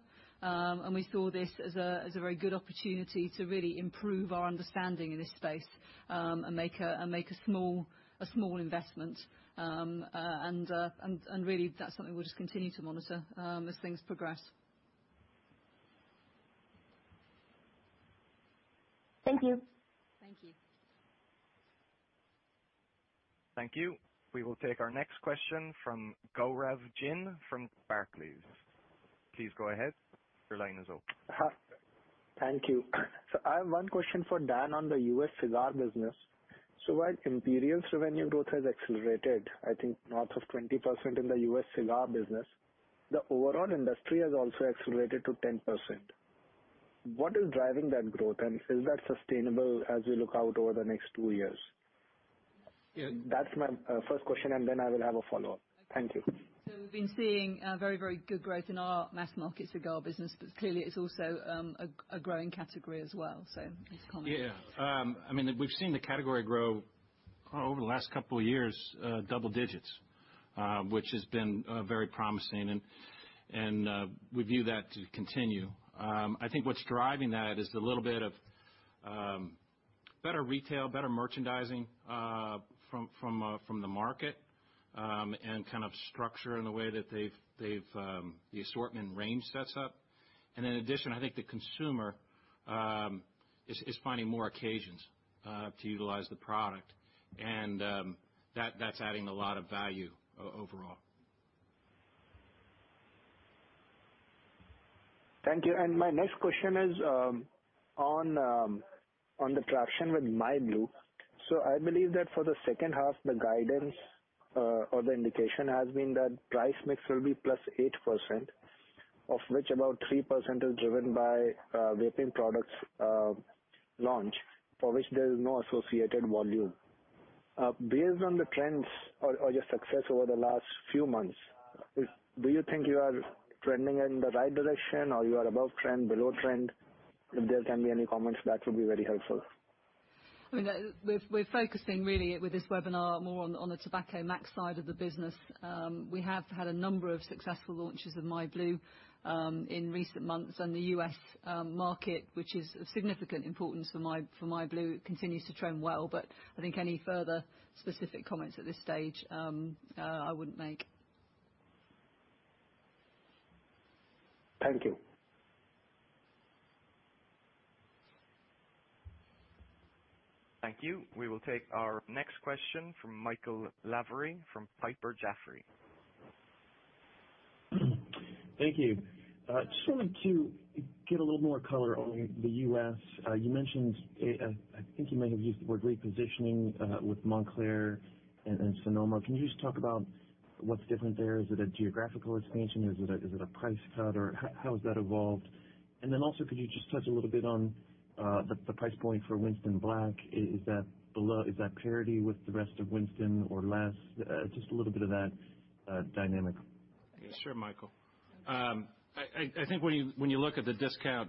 We saw this as a very good opportunity to really improve our understanding in this space, and make a small investment. Really that's something we'll just continue to monitor as things progress. Thank you. Thank you. Thank you. We will take our next question from Gaurav Jain from Barclays. Please go ahead. Your line is open. Thank you. I have one question for Dan on the U.S. cigar business. While Imperial's revenue growth has accelerated, I think north of 20% in the U.S. cigar business, the overall industry has also accelerated to 10%. What is driving that growth, and is that sustainable as we look out over the next two years? That's my first question, and then I will have a follow-up. Thank you. We've been seeing very good growth in our mass markets cigar business, clearly it's also a growing category as well. It's common. Yeah. We've seen the category grow over the last two years, double-digits, which has been very promising, and we view that to continue. I think what's driving that is the little bit of better retail, better merchandising from the market, and structure in the way that the assortment range sets up. In addition, I think the consumer is finding more occasions to utilize the product, that's adding a lot of value overall. Thank you. My next question is on the traction with myblu. I believe that for the second half, the guidance or the indication has been that price mix will be +8%, of which about 3% is driven by vaping products launch, for which there is no associated volume. Based on the trends or your success over the last few months, do you think you are trending in the right direction, or you are above trend, below trend? If there can be any comments, that would be very helpful. We're focusing really with this webinar more on the Tobacco Max side of the business. We have had a number of successful launches of myblu in recent months in the U.S. market, which is of significant importance for myblu, continues to trend well, I think any further specific comments at this stage, I wouldn't make. Thank you. Thank you. We will take our next question from Michael Lavery from Piper Sandler. Thank you. Just wanted to get a little more color on the U.S. You mentioned, I think you may have used the word repositioning, with Montclair and Sonoma. Can you just talk about what's different there? Is it a geographical expansion? Is it a price cut, or how has that evolved? Could you just touch a little bit on the price point for Winston Black. Is that parity with the rest of Winston or less? Just a little bit of that dynamic. Sure, Michael. I think when you look at the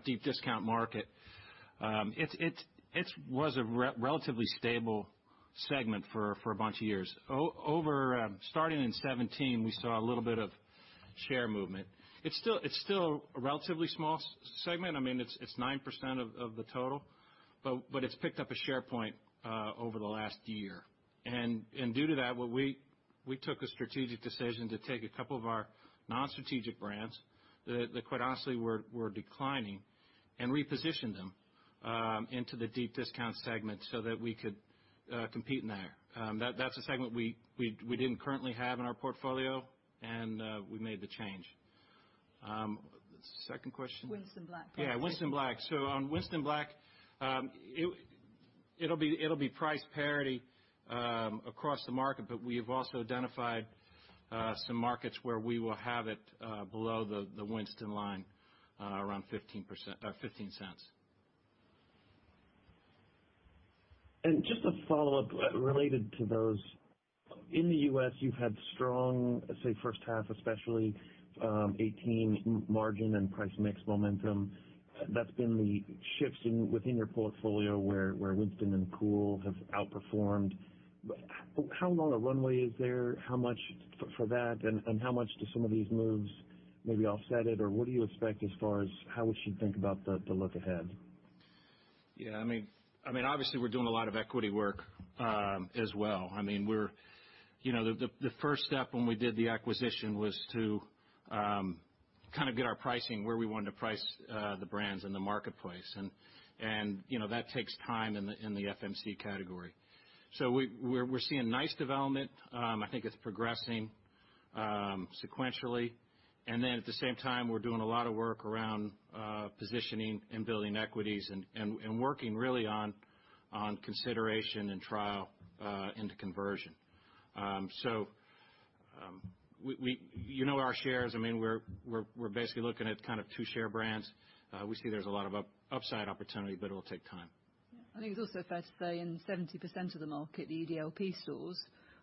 deep discount market, it was a relatively stable segment for a bunch of years. Starting in 2017, we saw a little bit of share movement. It's still a relatively small segment. It's 9% of the total, but it's picked up a share point over the last year. Due to that, we took a strategic decision to take a couple of our non-strategic brands that quite honestly were declining and repositioned them into the deep discount segment so that we could compete in there. That's a segment we didn't currently have in our portfolio, and we made the change. Second question? Winston Black. Yeah, Winston Black. On Winston Black, it will be price parity across the market, but we have also identified some markets where we will have it below the Winston line, around $0.15. Just a follow-up related to those. In the U.S., you've had strong, say, first half especially 2018 margin and price mix momentum. That's been the shifts within your portfolio where Winston and Kool have outperformed. How long a runway is there for that, and how much do some of these moves maybe offset it, or what do you expect as far as how we should think about the look ahead? Yeah. Obviously, we're doing a lot of equity work as well. The first step when we did the acquisition was to get our pricing where we wanted to price the brands in the marketplace, and that takes time in the FMC category. We're seeing nice development. I think it's progressing sequentially. At the same time, we're doing a lot of work around positioning and building equities, and working really on consideration and trial into conversion. You know our shares. We're basically looking at two share brands. We see there's a lot of upside opportunity, but it will take time. I think it's also fair to say in 70% of the market, the EDLP stores,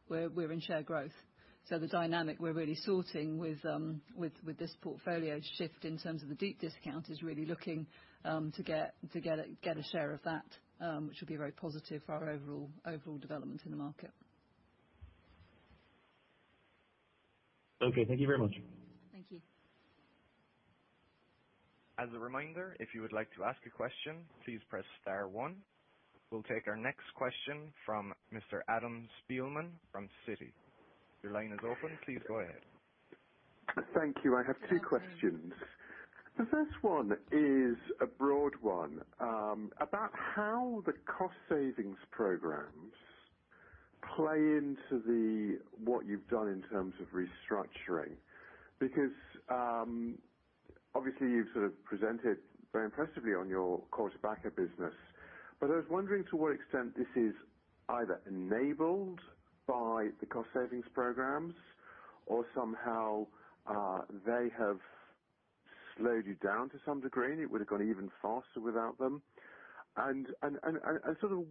we're in share growth. The dynamic we're really sorting with this portfolio shift in terms of the deep discount is really looking to get a share of that, which will be very positive for our overall development in the market. Okay. Thank you very much. Thank you. As a reminder, if you would like to ask a question, please press star one. We'll take our next question from Mr. Adam Spielman from Citi. Your line is open. Please go ahead. Thank you. I have two questions. The first one is a broad one, about how the cost savings programs play into what you've done in terms of restructuring. Obviously you've presented very impressively on your core tobacco business, but I was wondering to what extent this is either enabled by the cost savings programs or somehow. slowed you down to some degree, and it would've gone even faster without them, and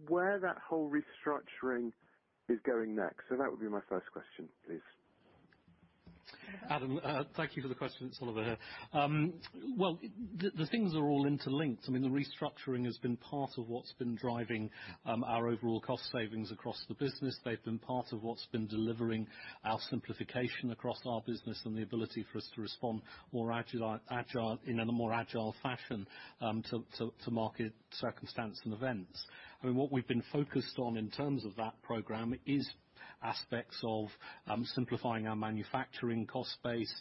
where that whole restructuring is going next. That would be my first question, please. Adam, thank you for the question. It's Oliver here. The things are all interlinked. The restructuring has been part of what's been driving our overall cost savings across the business. They've been part of what's been delivering our simplification across our business and the ability for us to respond in a more agile fashion to market circumstance and events. What we've been focused on in terms of that program is aspects of simplifying our manufacturing cost base,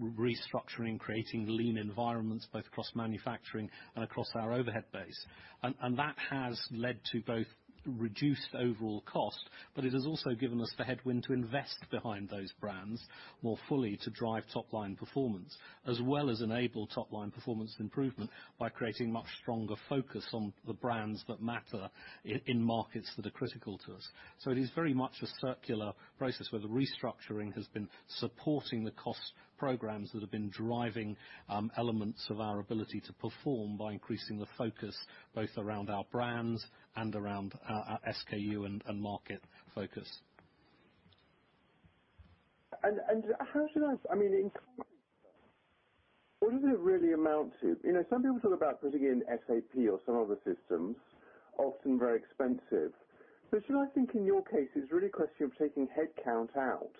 restructuring, creating lean environments both across manufacturing and across our overhead base. That has led to both reduced overall cost, but it has also given us the headwind to invest behind those brands more fully to drive top-line performance, as well as enable top-line performance improvement by creating much stronger focus on the brands that matter in markets that are critical to us. It is very much a circular process where the restructuring has been supporting the cost programs that have been driving elements of our ability to perform by increasing the focus both around our brands and around our SKU and market focus. In what does it really amount to? Some people talk about putting in SAP or some other systems, often very expensive. Should I think, in your case, it's really a question of taking head count out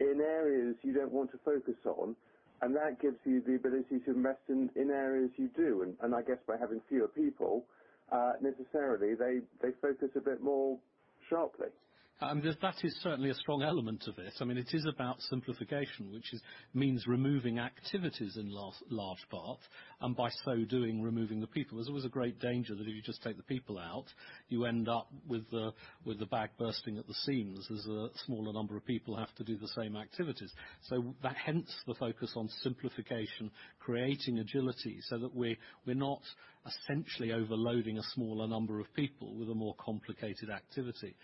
in areas you don't want to focus on, and that gives you the ability to invest in areas you do? I guess by having fewer people, necessarily, they focus a bit more sharply. That is certainly a strong element of it. It is about simplification, which means removing activities in large part, and by so doing, removing the people, as it was a great danger that if you just take the people out, you end up with the bag bursting at the seams, as a smaller number of people have to do the same activities. Hence the focus on simplification, creating agility so that we're not essentially overloading a smaller number of people with a more complicated activity.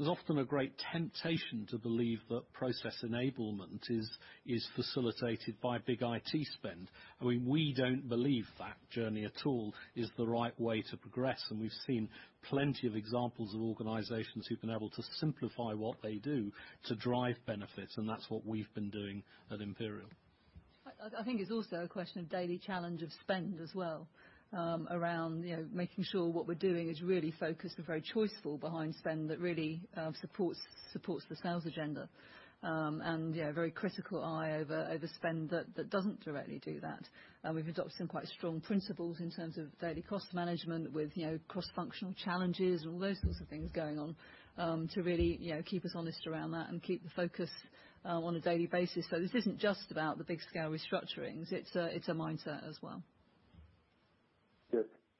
There's often a great temptation to believe that process enablement is facilitated by big IT spend. We don't believe that journey at all is the right way to progress, and we've seen plenty of examples of organizations who've been able to simplify what they do to drive benefits, and that's what we've been doing at Imperial. I think it's also a question of daily challenge of spend as well, around making sure what we're doing is really focused and very choiceful behind spend that really supports the sales agenda. Very critical eye over spend that doesn't directly do that. We've adopted some quite strong principles in terms of daily cost management with cross-functional challenges and all those sorts of things going on, to really keep us honest around that and keep the focus on a daily basis. This isn't just about the big scale restructurings. It's a mindset as well.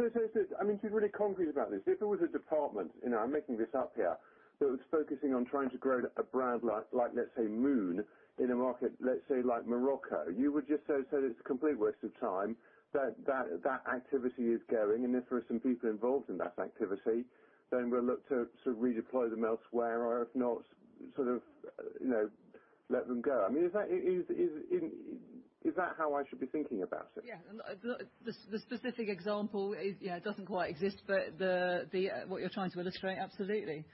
Yeah. To be really concrete about this, if it was a department, I'm making this up here, it was focusing on trying to grow a brand like, let's say Moon, in a market, let's say like Morocco, you would just say it's a complete waste of time, that that activity is going, and if there are some people involved in that activity, then we'll look to redeploy them elsewhere or if not, let them go. Is that how I should be thinking about it? Yeah. The specific example doesn't quite exist, but what you're trying to illustrate, absolutely.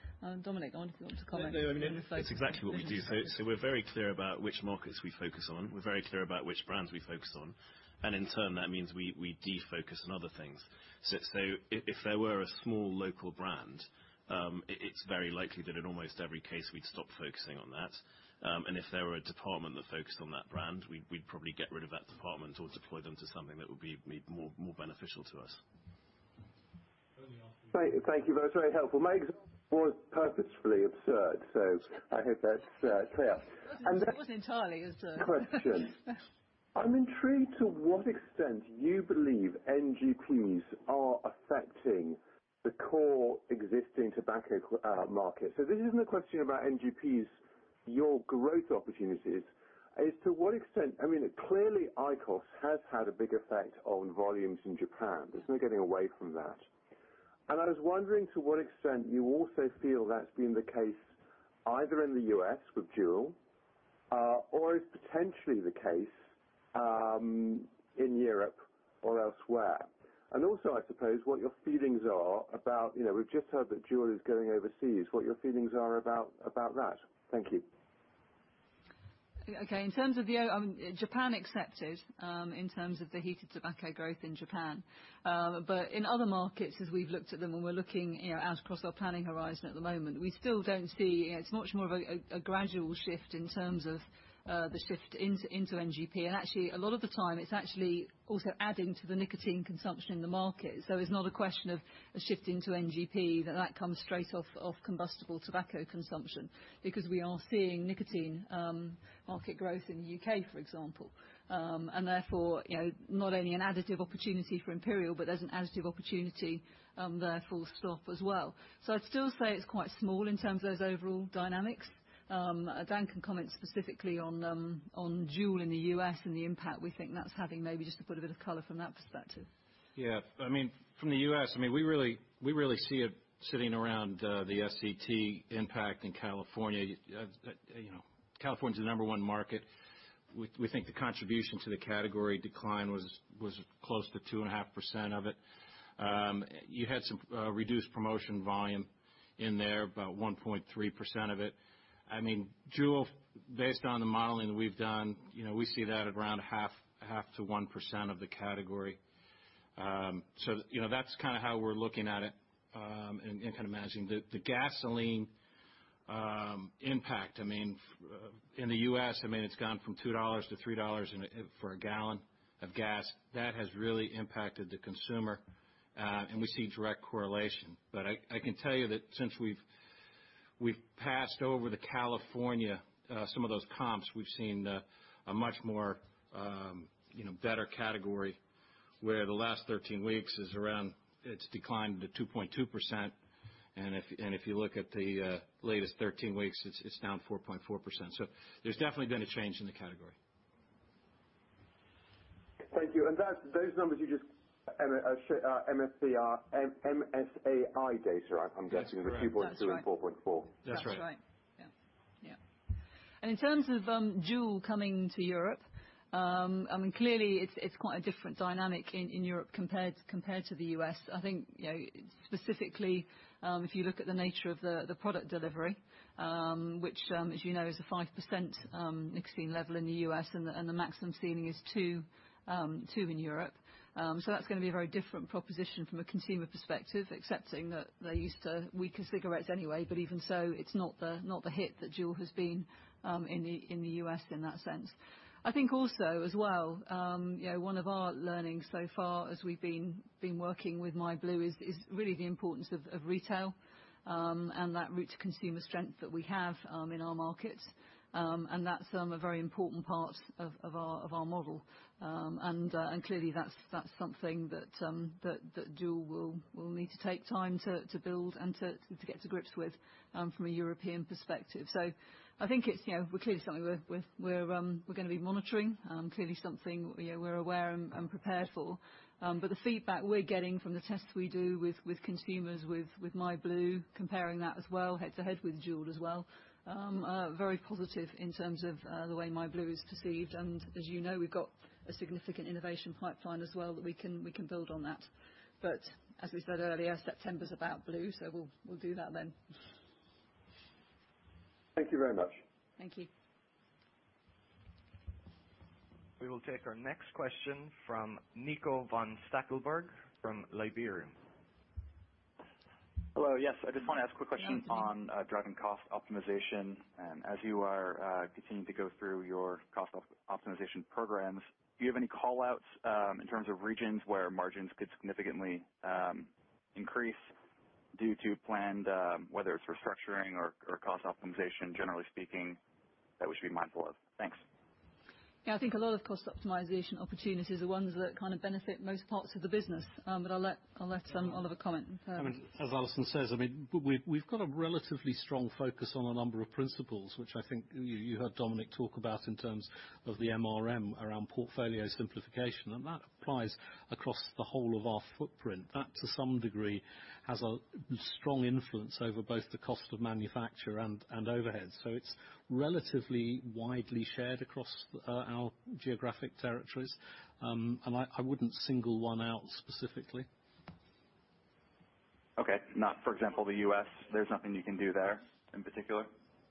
Dominic, why don't you want to comment? It's exactly what we do. We're very clear about which markets we focus on. We're very clear about which brands we focus on. In turn, that means we defocus on other things. If there were a small local brand, it's very likely that in almost every case, we'd stop focusing on that. If there were a department that focused on that brand, we'd probably get rid of that department or deploy them to something that would be more beneficial to us. Thank you. That's very helpful. Mine was purposefully absurd, I hope that's clear. It wasn't entirely, was it? Next question. I'm intrigued to what extent you believe NGPs are affecting the core existing tobacco market. This isn't a question about NGPs, your growth opportunities. Clearly, IQOS has had a big effect on volumes in Japan. There's no getting away from that. I was wondering to what extent you also feel that's been the case either in the U.S. with JUUL, or is potentially the case in Europe or elsewhere. Also, I suppose, what your feelings are about, we've just heard that JUUL is going overseas, what your feelings are about that. Thank you. Okay. Japan accepted, in terms of the heated tobacco growth in Japan. In other markets, as we've looked at them and we're looking out across our planning horizon at the moment, we still don't see. It's much more of a gradual shift in terms of the shift into NGP. Actually, a lot of the time, it's actually also adding to the nicotine consumption in the market. It's not a question of a shift into NGP, that that comes straight off combustible tobacco consumption, because we are seeing nicotine market growth in the U.K., for example. Therefore, not only an additive opportunity for Imperial, but there's an additive opportunity there full stop as well. I'd still say it's quite small in terms of those overall dynamics. Dan can comment specifically on JUUL in the U.S. and the impact we think that's having, maybe just to put a bit of color from that perspective. Yeah. From the U.S., we really see it sitting around the FCT impact in California. California's the number one market We think the contribution to the category decline was close to 2.5% of it. You had some reduced promotion volume in there, about 1.3% of it. JUUL, based on the modeling we've done, we see that at around 0.5%-1% of the category. That's how we're looking at it, and kind of managing. The gasoline impact, in the U.S., it's gone from $2 to $3 for a gallon of gas. That has really impacted the consumer, and we see direct correlation. I can tell you that since we've passed over to California, some of those comps, we've seen a much more better category, where the last 13 weeks is around, it's declined to 2.2%. If you look at the latest 13 weeks, it's down 4.4%. There's definitely been a change in the category. Thank you. Those numbers you just shared are MSAi data, I'm guessing. That's correct. The 2.2% and 4.4%. That's right. That's right. Yeah. In terms of JUUL coming to Europe, clearly it's quite a different dynamic in Europe compared to the U.S. I think, specifically, if you look at the nature of the product delivery, which as you know is a 5% nicotine level in the U.S. and the maximum ceiling is two in Europe. That's going to be a very different proposition from a consumer perspective, excepting that they're used to weaker cigarettes anyway, but even so, it's not the hit that JUUL has been in the U.S. in that sense. I think also as well, one of our learnings so far as we've been working with myblu is really the importance of retail, and that route to consumer strength that we have in our market. That's a very important part of our model. Clearly that's something that JUUL will need to take time to build and to get to grips with, from a European perspective. I think it's clearly something we're going to be monitoring, clearly something we're aware and prepared for. The feedback we're getting from the tests we do with consumers with myblu, comparing that as well, head to head with JUUL as well, very positive in terms of the way myblu is perceived. As you know, we've got a significant innovation pipeline as well that we can build on that. But as we said earlier, September's about blu, so we'll do that then. Thank you very much. Thank you. We will take our next question from Nicolas von Stackelberg from Liberum. Hello. Yes. I just want to ask a quick question on driving cost optimization. As you are continuing to go through your cost optimization programs, do you have any call-outs in terms of regions where margins could significantly increase due to planned, whether it's restructuring or cost optimization, generally speaking, that we should be mindful of? Thanks. Yeah. I think a lot of cost optimization opportunities are ones that benefit most parts of the business. I'll let Oliver comment. As Alison says, we've got a relatively strong focus on a number of principles, which I think you heard Dominic talk about in terms of the MRM around portfolio simplification. That applies across the whole of our footprint. That, to some degree, has a strong influence over both the cost of manufacture and overhead. It's relatively widely shared across our geographic territories. I wouldn't single one out specifically. Okay. Not, for example, the U.S. There's nothing you can do there in particular?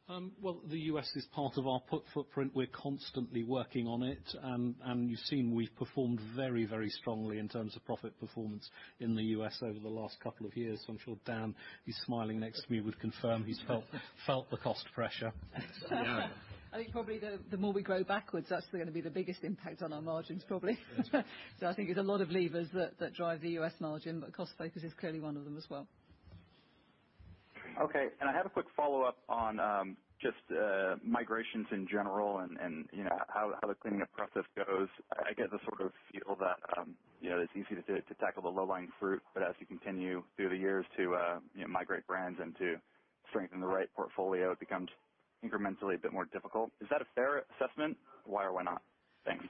The U.S. is part of our footprint. We're constantly working on it, and you've seen we've performed very strongly in terms of profit performance in the U.S. over the last couple of years. I'm sure Dan, who's smiling next to me, would confirm he's felt the cost pressure. I think probably the more we grow backwards, that's going to be the biggest impact on our margins, probably. I think there's a lot of levers that drive the U.S. margin, but cost focus is clearly one of them as well. Okay. I had a quick follow-up on just migrations in general and how the cleaning up process goes. I get the sort of feel that it's easy to tackle the low-lying fruit, but as you continue through the years to migrate brands and to strengthen the right portfolio, it becomes incrementally a bit more difficult. Is that a fair assessment? Why or why not? Thanks.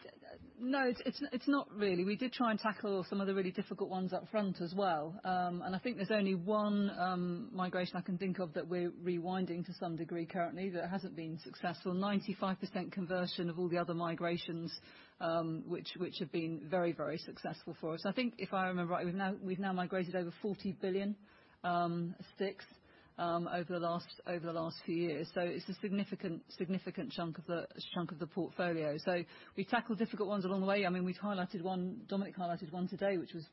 No, it's not really. We did try and tackle some of the really difficult ones up front as well. I think there's only one migration I can think of that we're rewinding to some degree currently, that hasn't been successful. 95% conversion of all the other migrations, which have been very successful for us. I think, if I remember right, we've now migrated over 40 billion sticks over the last few years. It's a significant chunk of the portfolio. We tackle difficult ones along the way. Dominic highlighted one today, which was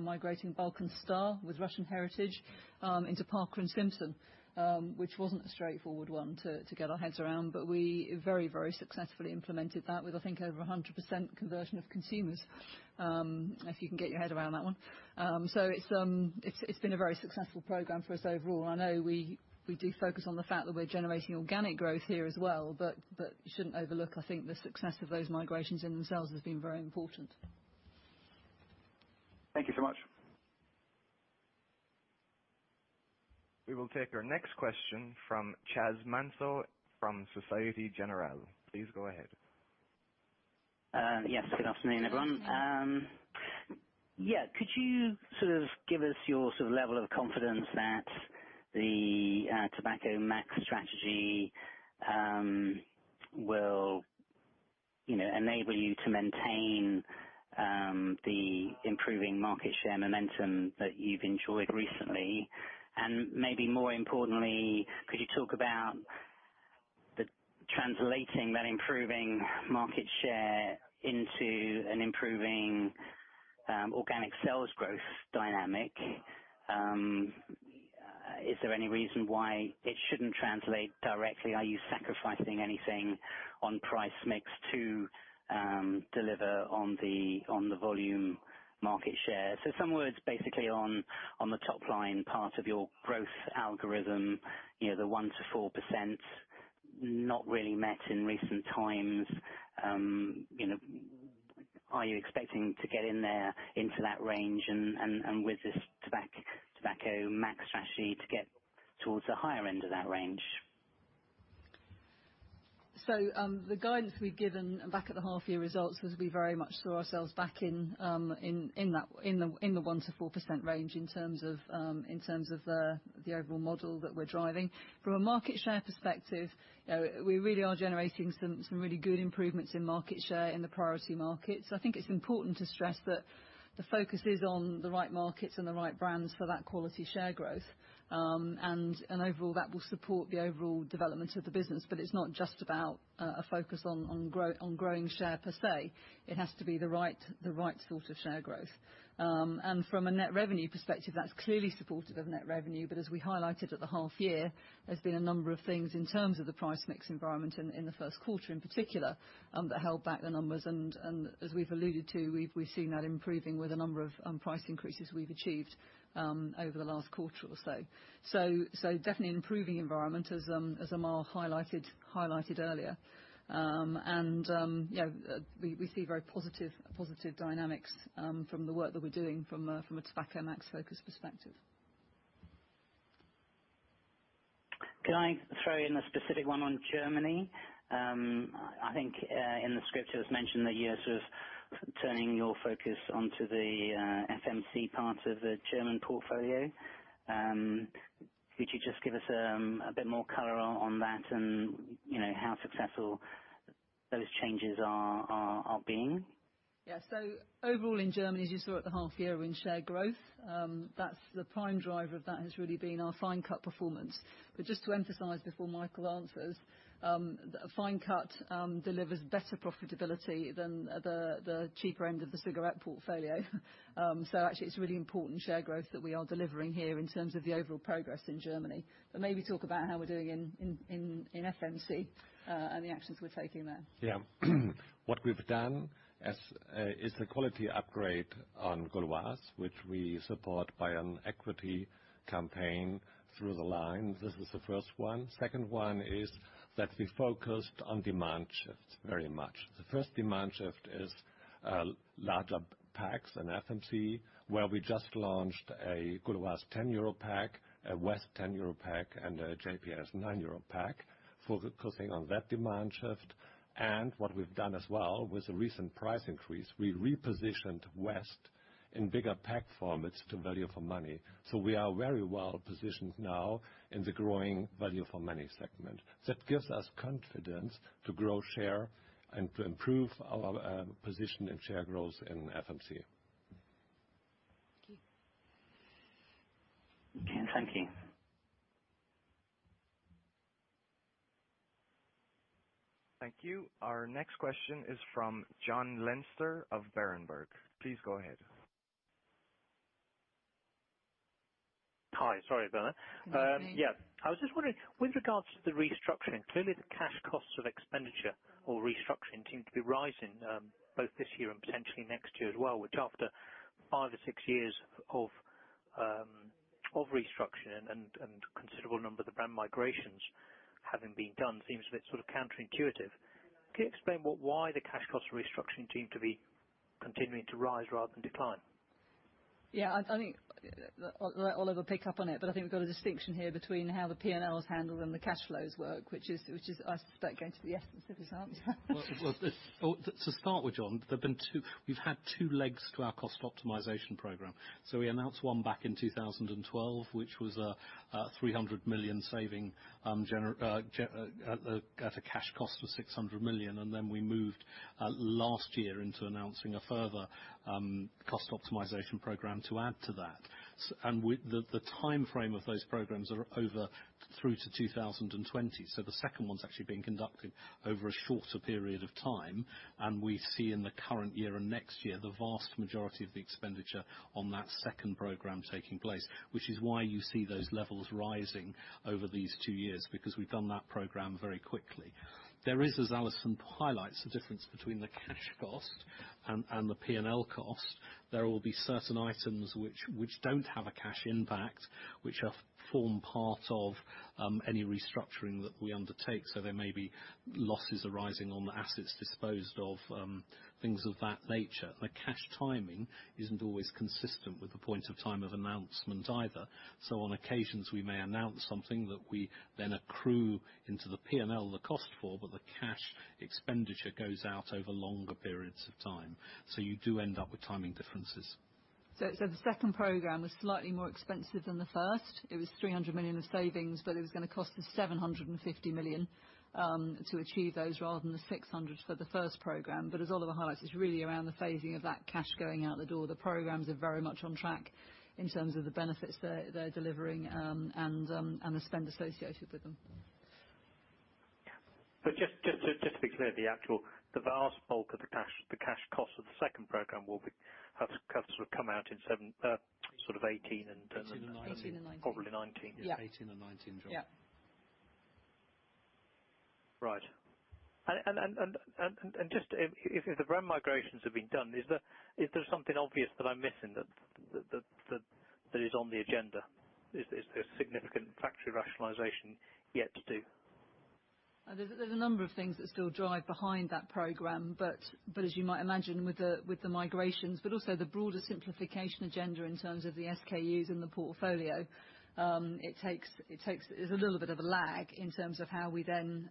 migrating Balkan Star with Russian heritage into Parker & Simpson, which wasn't a straightforward one to get our heads around. We very successfully implemented that with, I think, over 100% conversion of consumers, if you can get your head around that one. It's been a very successful program for us overall. I know we do focus on the fact that we're generating organic growth here as well, you shouldn't overlook, I think, the success of those migrations in themselves has been very important. Thank you so much. We will take our next question from Chas Manso from Societe Generale. Please go ahead. Yes. Good afternoon, everyone. Could you give us your level of confidence that the Tobacco Max strategy will enable you to maintain the improving market share momentum that you've enjoyed recently? Maybe more importantly, could you talk about translating that improving market share into an improving organic sales growth dynamic? Is there any reason why it shouldn't translate directly? Are you sacrificing anything on price mix to deliver on the volume market share? Some words basically on the top line part of your growth algorithm, the 1%-4% not really met in recent times. Are you expecting to get in there, into that range, and with this Tobacco Max strategy, to get towards the higher end of that range? The guidance we've given back at the half year results is we very much saw ourselves back in the 1%-4% range in terms of the overall model that we're driving. From a market share perspective, we really are generating some really good improvements in market share in the priority markets. I think it's important to stress that the focus is on the right markets and the right brands for that quality share growth. Overall, that will support the overall development of the business. It's not just about a focus on growing share per se. It has to be the right sort of share growth. From a net revenue perspective, that's clearly supportive of net revenue. As we highlighted at the half year, there's been a number of things in terms of the price mix environment in the first quarter, in particular, that held back the numbers. As we've alluded to, we've seen that improving with a number of price increases we've achieved over the last quarter or so. Definitely improving environment as Amal highlighted earlier. We see very positive dynamics from the work that we're doing from a Tobacco Max focus perspective. Could I throw in a specific one on Germany? I think in the script it was mentioned that you are sort of turning your focus onto the FMC part of the German portfolio. Could you just give us a bit more color on that and how successful those changes are being? Yeah. Overall in Germany, as you saw at the half year in share growth, the prime driver of that has really been our fine cut performance. Just to emphasize before Michael answers, fine cut delivers better profitability than the cheaper end of the cigarette portfolio. Actually it's really important share growth that we are delivering here in terms of the overall progress in Germany. Maybe talk about how we're doing in FMC, and the actions we're taking there. Yeah. What we've done is the quality upgrade on Gauloises, which we support by an equity campaign through the line. This is the first one. Second one is that we focused on demand shifts very much. The first demand shift is larger packs in FMC, where we just launched a Gauloises 10 euro pack, a West 10 euro pack, and a JPS 9 euro pack, focusing on that demand shift. What we've done as well with the recent price increase, we repositioned West in bigger pack formats to value for money. We are very well positioned now in the growing value for money segment. That gives us confidence to grow share and to improve our position and share growth in FMC. Okay. Thank you. Thank you. Our next question is from Jonathan Leinster of Berenberg. Please go ahead. Hi. Sorry about that. No worry. Yeah. I was just wondering with regards to the restructuring, clearly the cash costs of expenditure or restructuring seem to be rising both this year and potentially next year as well, which after five or six years of restructuring and considerable number of the brand migrations having been done seems a bit sort of counterintuitive. Can you explain why the cash costs restructuring seem to be continuing to rise rather than decline? Yeah. Oliver will pick up on it, but I think we've got a distinction here between how the P&L is handled and the cash flows work, which is, I suspect, going to be the essence of his answer. Well, to start with, John, we've had two legs to our cost optimization program. We announced one back in 2012, which was a 300 million saving at a cash cost of 600 million, and then we moved last year into announcing a further cost optimization program to add to that. The timeframe of those programs are over through to 2020. The second one's actually being conducted over a shorter period of time, and we see in the current year and next year the vast majority of the expenditure on that second program taking place, which is why you see those levels rising over these two years, because we've done that program very quickly. There is, as Alison highlights, a difference between the cash cost and the P&L cost. There will be certain items which don't have a cash impact, which form part of any restructuring that we undertake. There may be losses arising on the assets disposed of, things of that nature. The cash timing isn't always consistent with the point of time of announcement either. On occasions we may announce something that we then accrue into the P&L, the cost for, but the cash expenditure goes out over longer periods of time. You do end up with timing differences. The second program was slightly more expensive than the first. It was 300 million of savings, but it was going to cost us 750 million to achieve those, rather than the 600 for the first program. As Oliver highlights, it's really around the phasing of that cash going out the door. The programs are very much on track in terms of the benefits they're delivering, and the spend associated with them. Just to be clear, the vast bulk of the cash cost of the second program will have covers come out in sort of 2018. 2018 and 2019. 2018 and 2019. Probably 2019. Yes, 2018 and 2019, John. Yeah. Right. If the brand migrations have been done, is there something obvious that I'm missing that is on the agenda? Is there a significant factory rationalization yet to do? There's a number of things that still drive behind that program, but as you might imagine with the migrations, but also the broader simplification agenda in terms of the SKUs in the portfolio, there's a little bit of a lag in terms of how we then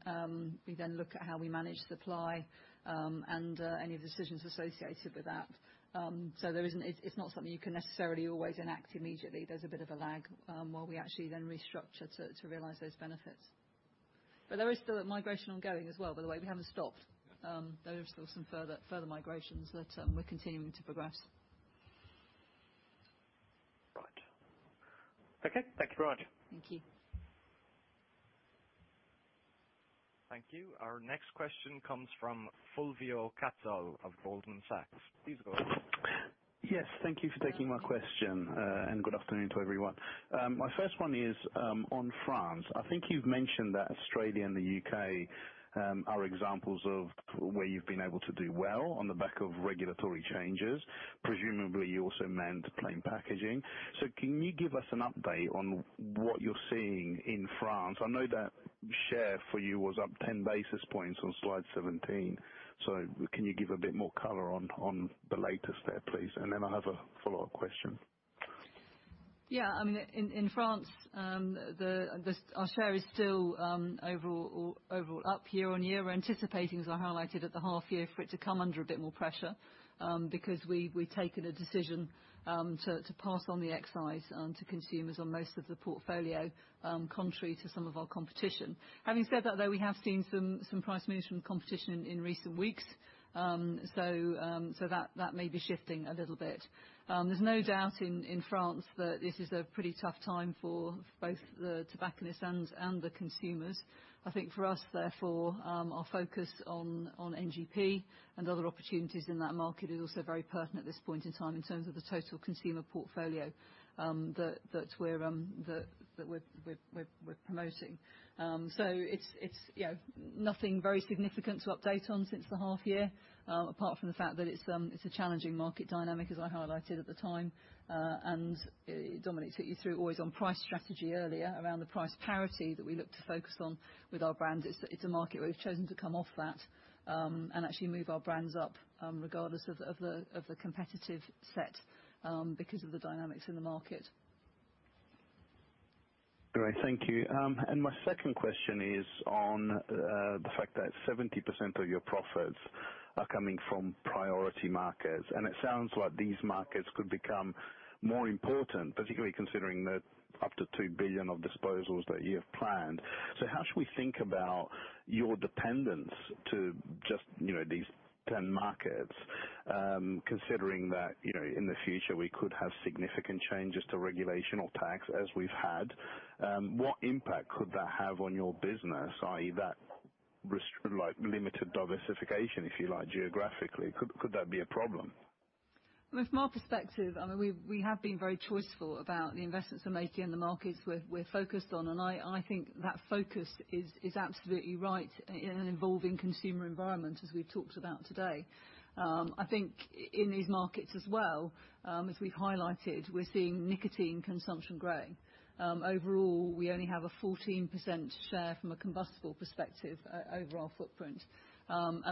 look at how we manage supply, and any decisions associated with that. It's not something you can necessarily always enact immediately. There's a bit of a lag, while we actually then restructure to realize those benefits. There is still migration ongoing as well, by the way. We haven't stopped. There is still some further migrations that we're continuing to progress. Right. Okay, thank you very much. Thank you. Thank you. Our next question comes from Fulvio Cazzol of Goldman Sachs. Please go ahead. Thank you for taking my question. Good afternoon to everyone. My first one is on France. I think you've mentioned that Australia and the U.K. are examples of where you've been able to do well on the back of regulatory changes. Presumably you also meant plain packaging. Can you give us an update on what you're seeing in France? I know that share for you was up ten basis points on slide 17. Can you give a bit more color on the latest there, please? Then I have a follow-up question. In France, our share is still overall up year-over-year. We're anticipating, as I highlighted at the half year, for it to come under a bit more pressure, because we've taken a decision to pass on the excise to consumers on most of the portfolio, contrary to some of our competition. Having said that, though, we have seen some price moves from competition in recent weeks. That may be shifting a little bit. There's no doubt in France that this is a pretty tough time for both the tobacconists and the consumers. I think for us, therefore, our focus on NGP and other opportunities in that market is also very pertinent at this point in time in terms of the total consumer portfolio that we're promoting. It's nothing very significant to update on since the half year, apart from the fact that it's a challenging market dynamic, as I highlighted at the time. Dominic took you through always on price strategy earlier around the price parity that we look to focus on with our brands. It's a market where we've chosen to come off that, and actually move our brands up, regardless of the competitive set, because of the dynamics in the market. Great. Thank you. My second question is on the fact that 70% of your profits are coming from priority markets, and it sounds like these markets could become more important, particularly considering that up to 2 billion of disposals that you have planned. How should we think about your dependence to just these 10 markets, considering that in the future we could have significant changes to regulation or tax as we've had? What impact could that have on your business, i.e., that limited diversification, if you like, geographically? Could that be a problem? From my perspective, we have been very choiceful about the investments we're making and the markets we're focused on, and I think that focus is absolutely right in an evolving consumer environment, as we've talked about today. I think in these markets as well, as we've highlighted, we're seeing nicotine consumption growing. Overall, we only have a 14% share from a combustible perspective overall footprint.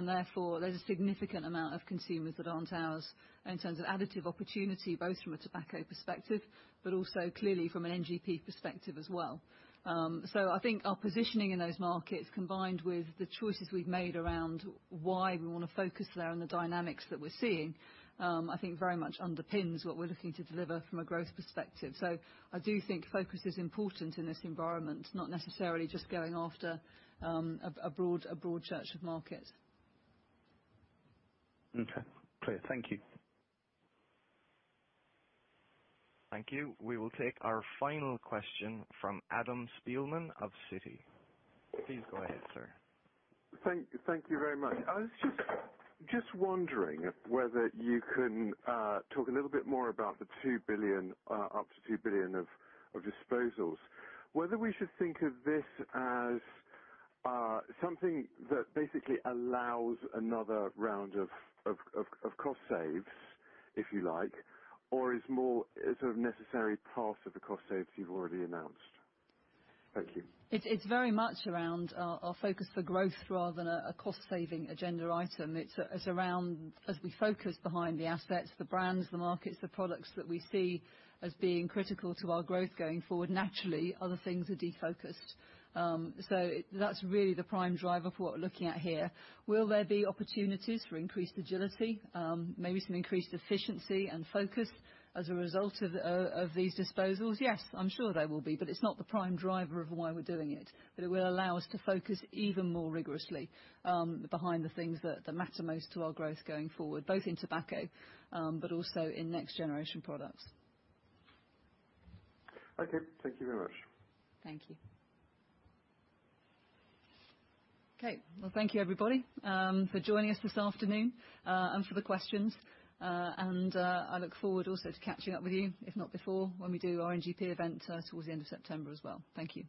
Therefore, there's a significant amount of consumers that aren't ours in terms of additive opportunity, both from a tobacco perspective, but also clearly from an NGP perspective as well. I think our positioning in those markets, combined with the choices we've made around why we want to focus there and the dynamics that we're seeing, I think very much underpins what we're looking to deliver from a growth perspective. I do think focus is important in this environment, not necessarily just going after a broad church of market. Okay. Clear. Thank you. Thank you. We will take our final question from Adam Spielman of Citi. Please go ahead, sir. Thank you very much. I was just wondering whether you can talk a little bit more about the up to 2 billion of disposals. Whether we should think of this as something that basically allows another round of cost saves, if you like, or is more a sort of necessary part of the cost saves you've already announced? Thank you. It's very much around our focus for growth rather than a cost saving agenda item. It's around as we focus behind the assets, the brands, the markets, the products that we see as being critical to our growth going forward. Naturally, other things are defocused. That's really the prime driver for what we're looking at here. Will there be opportunities for increased agility? Maybe some increased efficiency and focus as a result of these disposals? Yes, I'm sure there will be, but it's not the prime driver of why we're doing it. It will allow us to focus even more rigorously, behind the things that matter most to our growth going forward, both in tobacco, but also in next generation products. Okay. Thank you very much. Thank you. Okay. Well, thank you everybody for joining us this afternoon, and for the questions. I look forward also to catching up with you, if not before, when we do our NGP event towards the end of September as well. Thank you.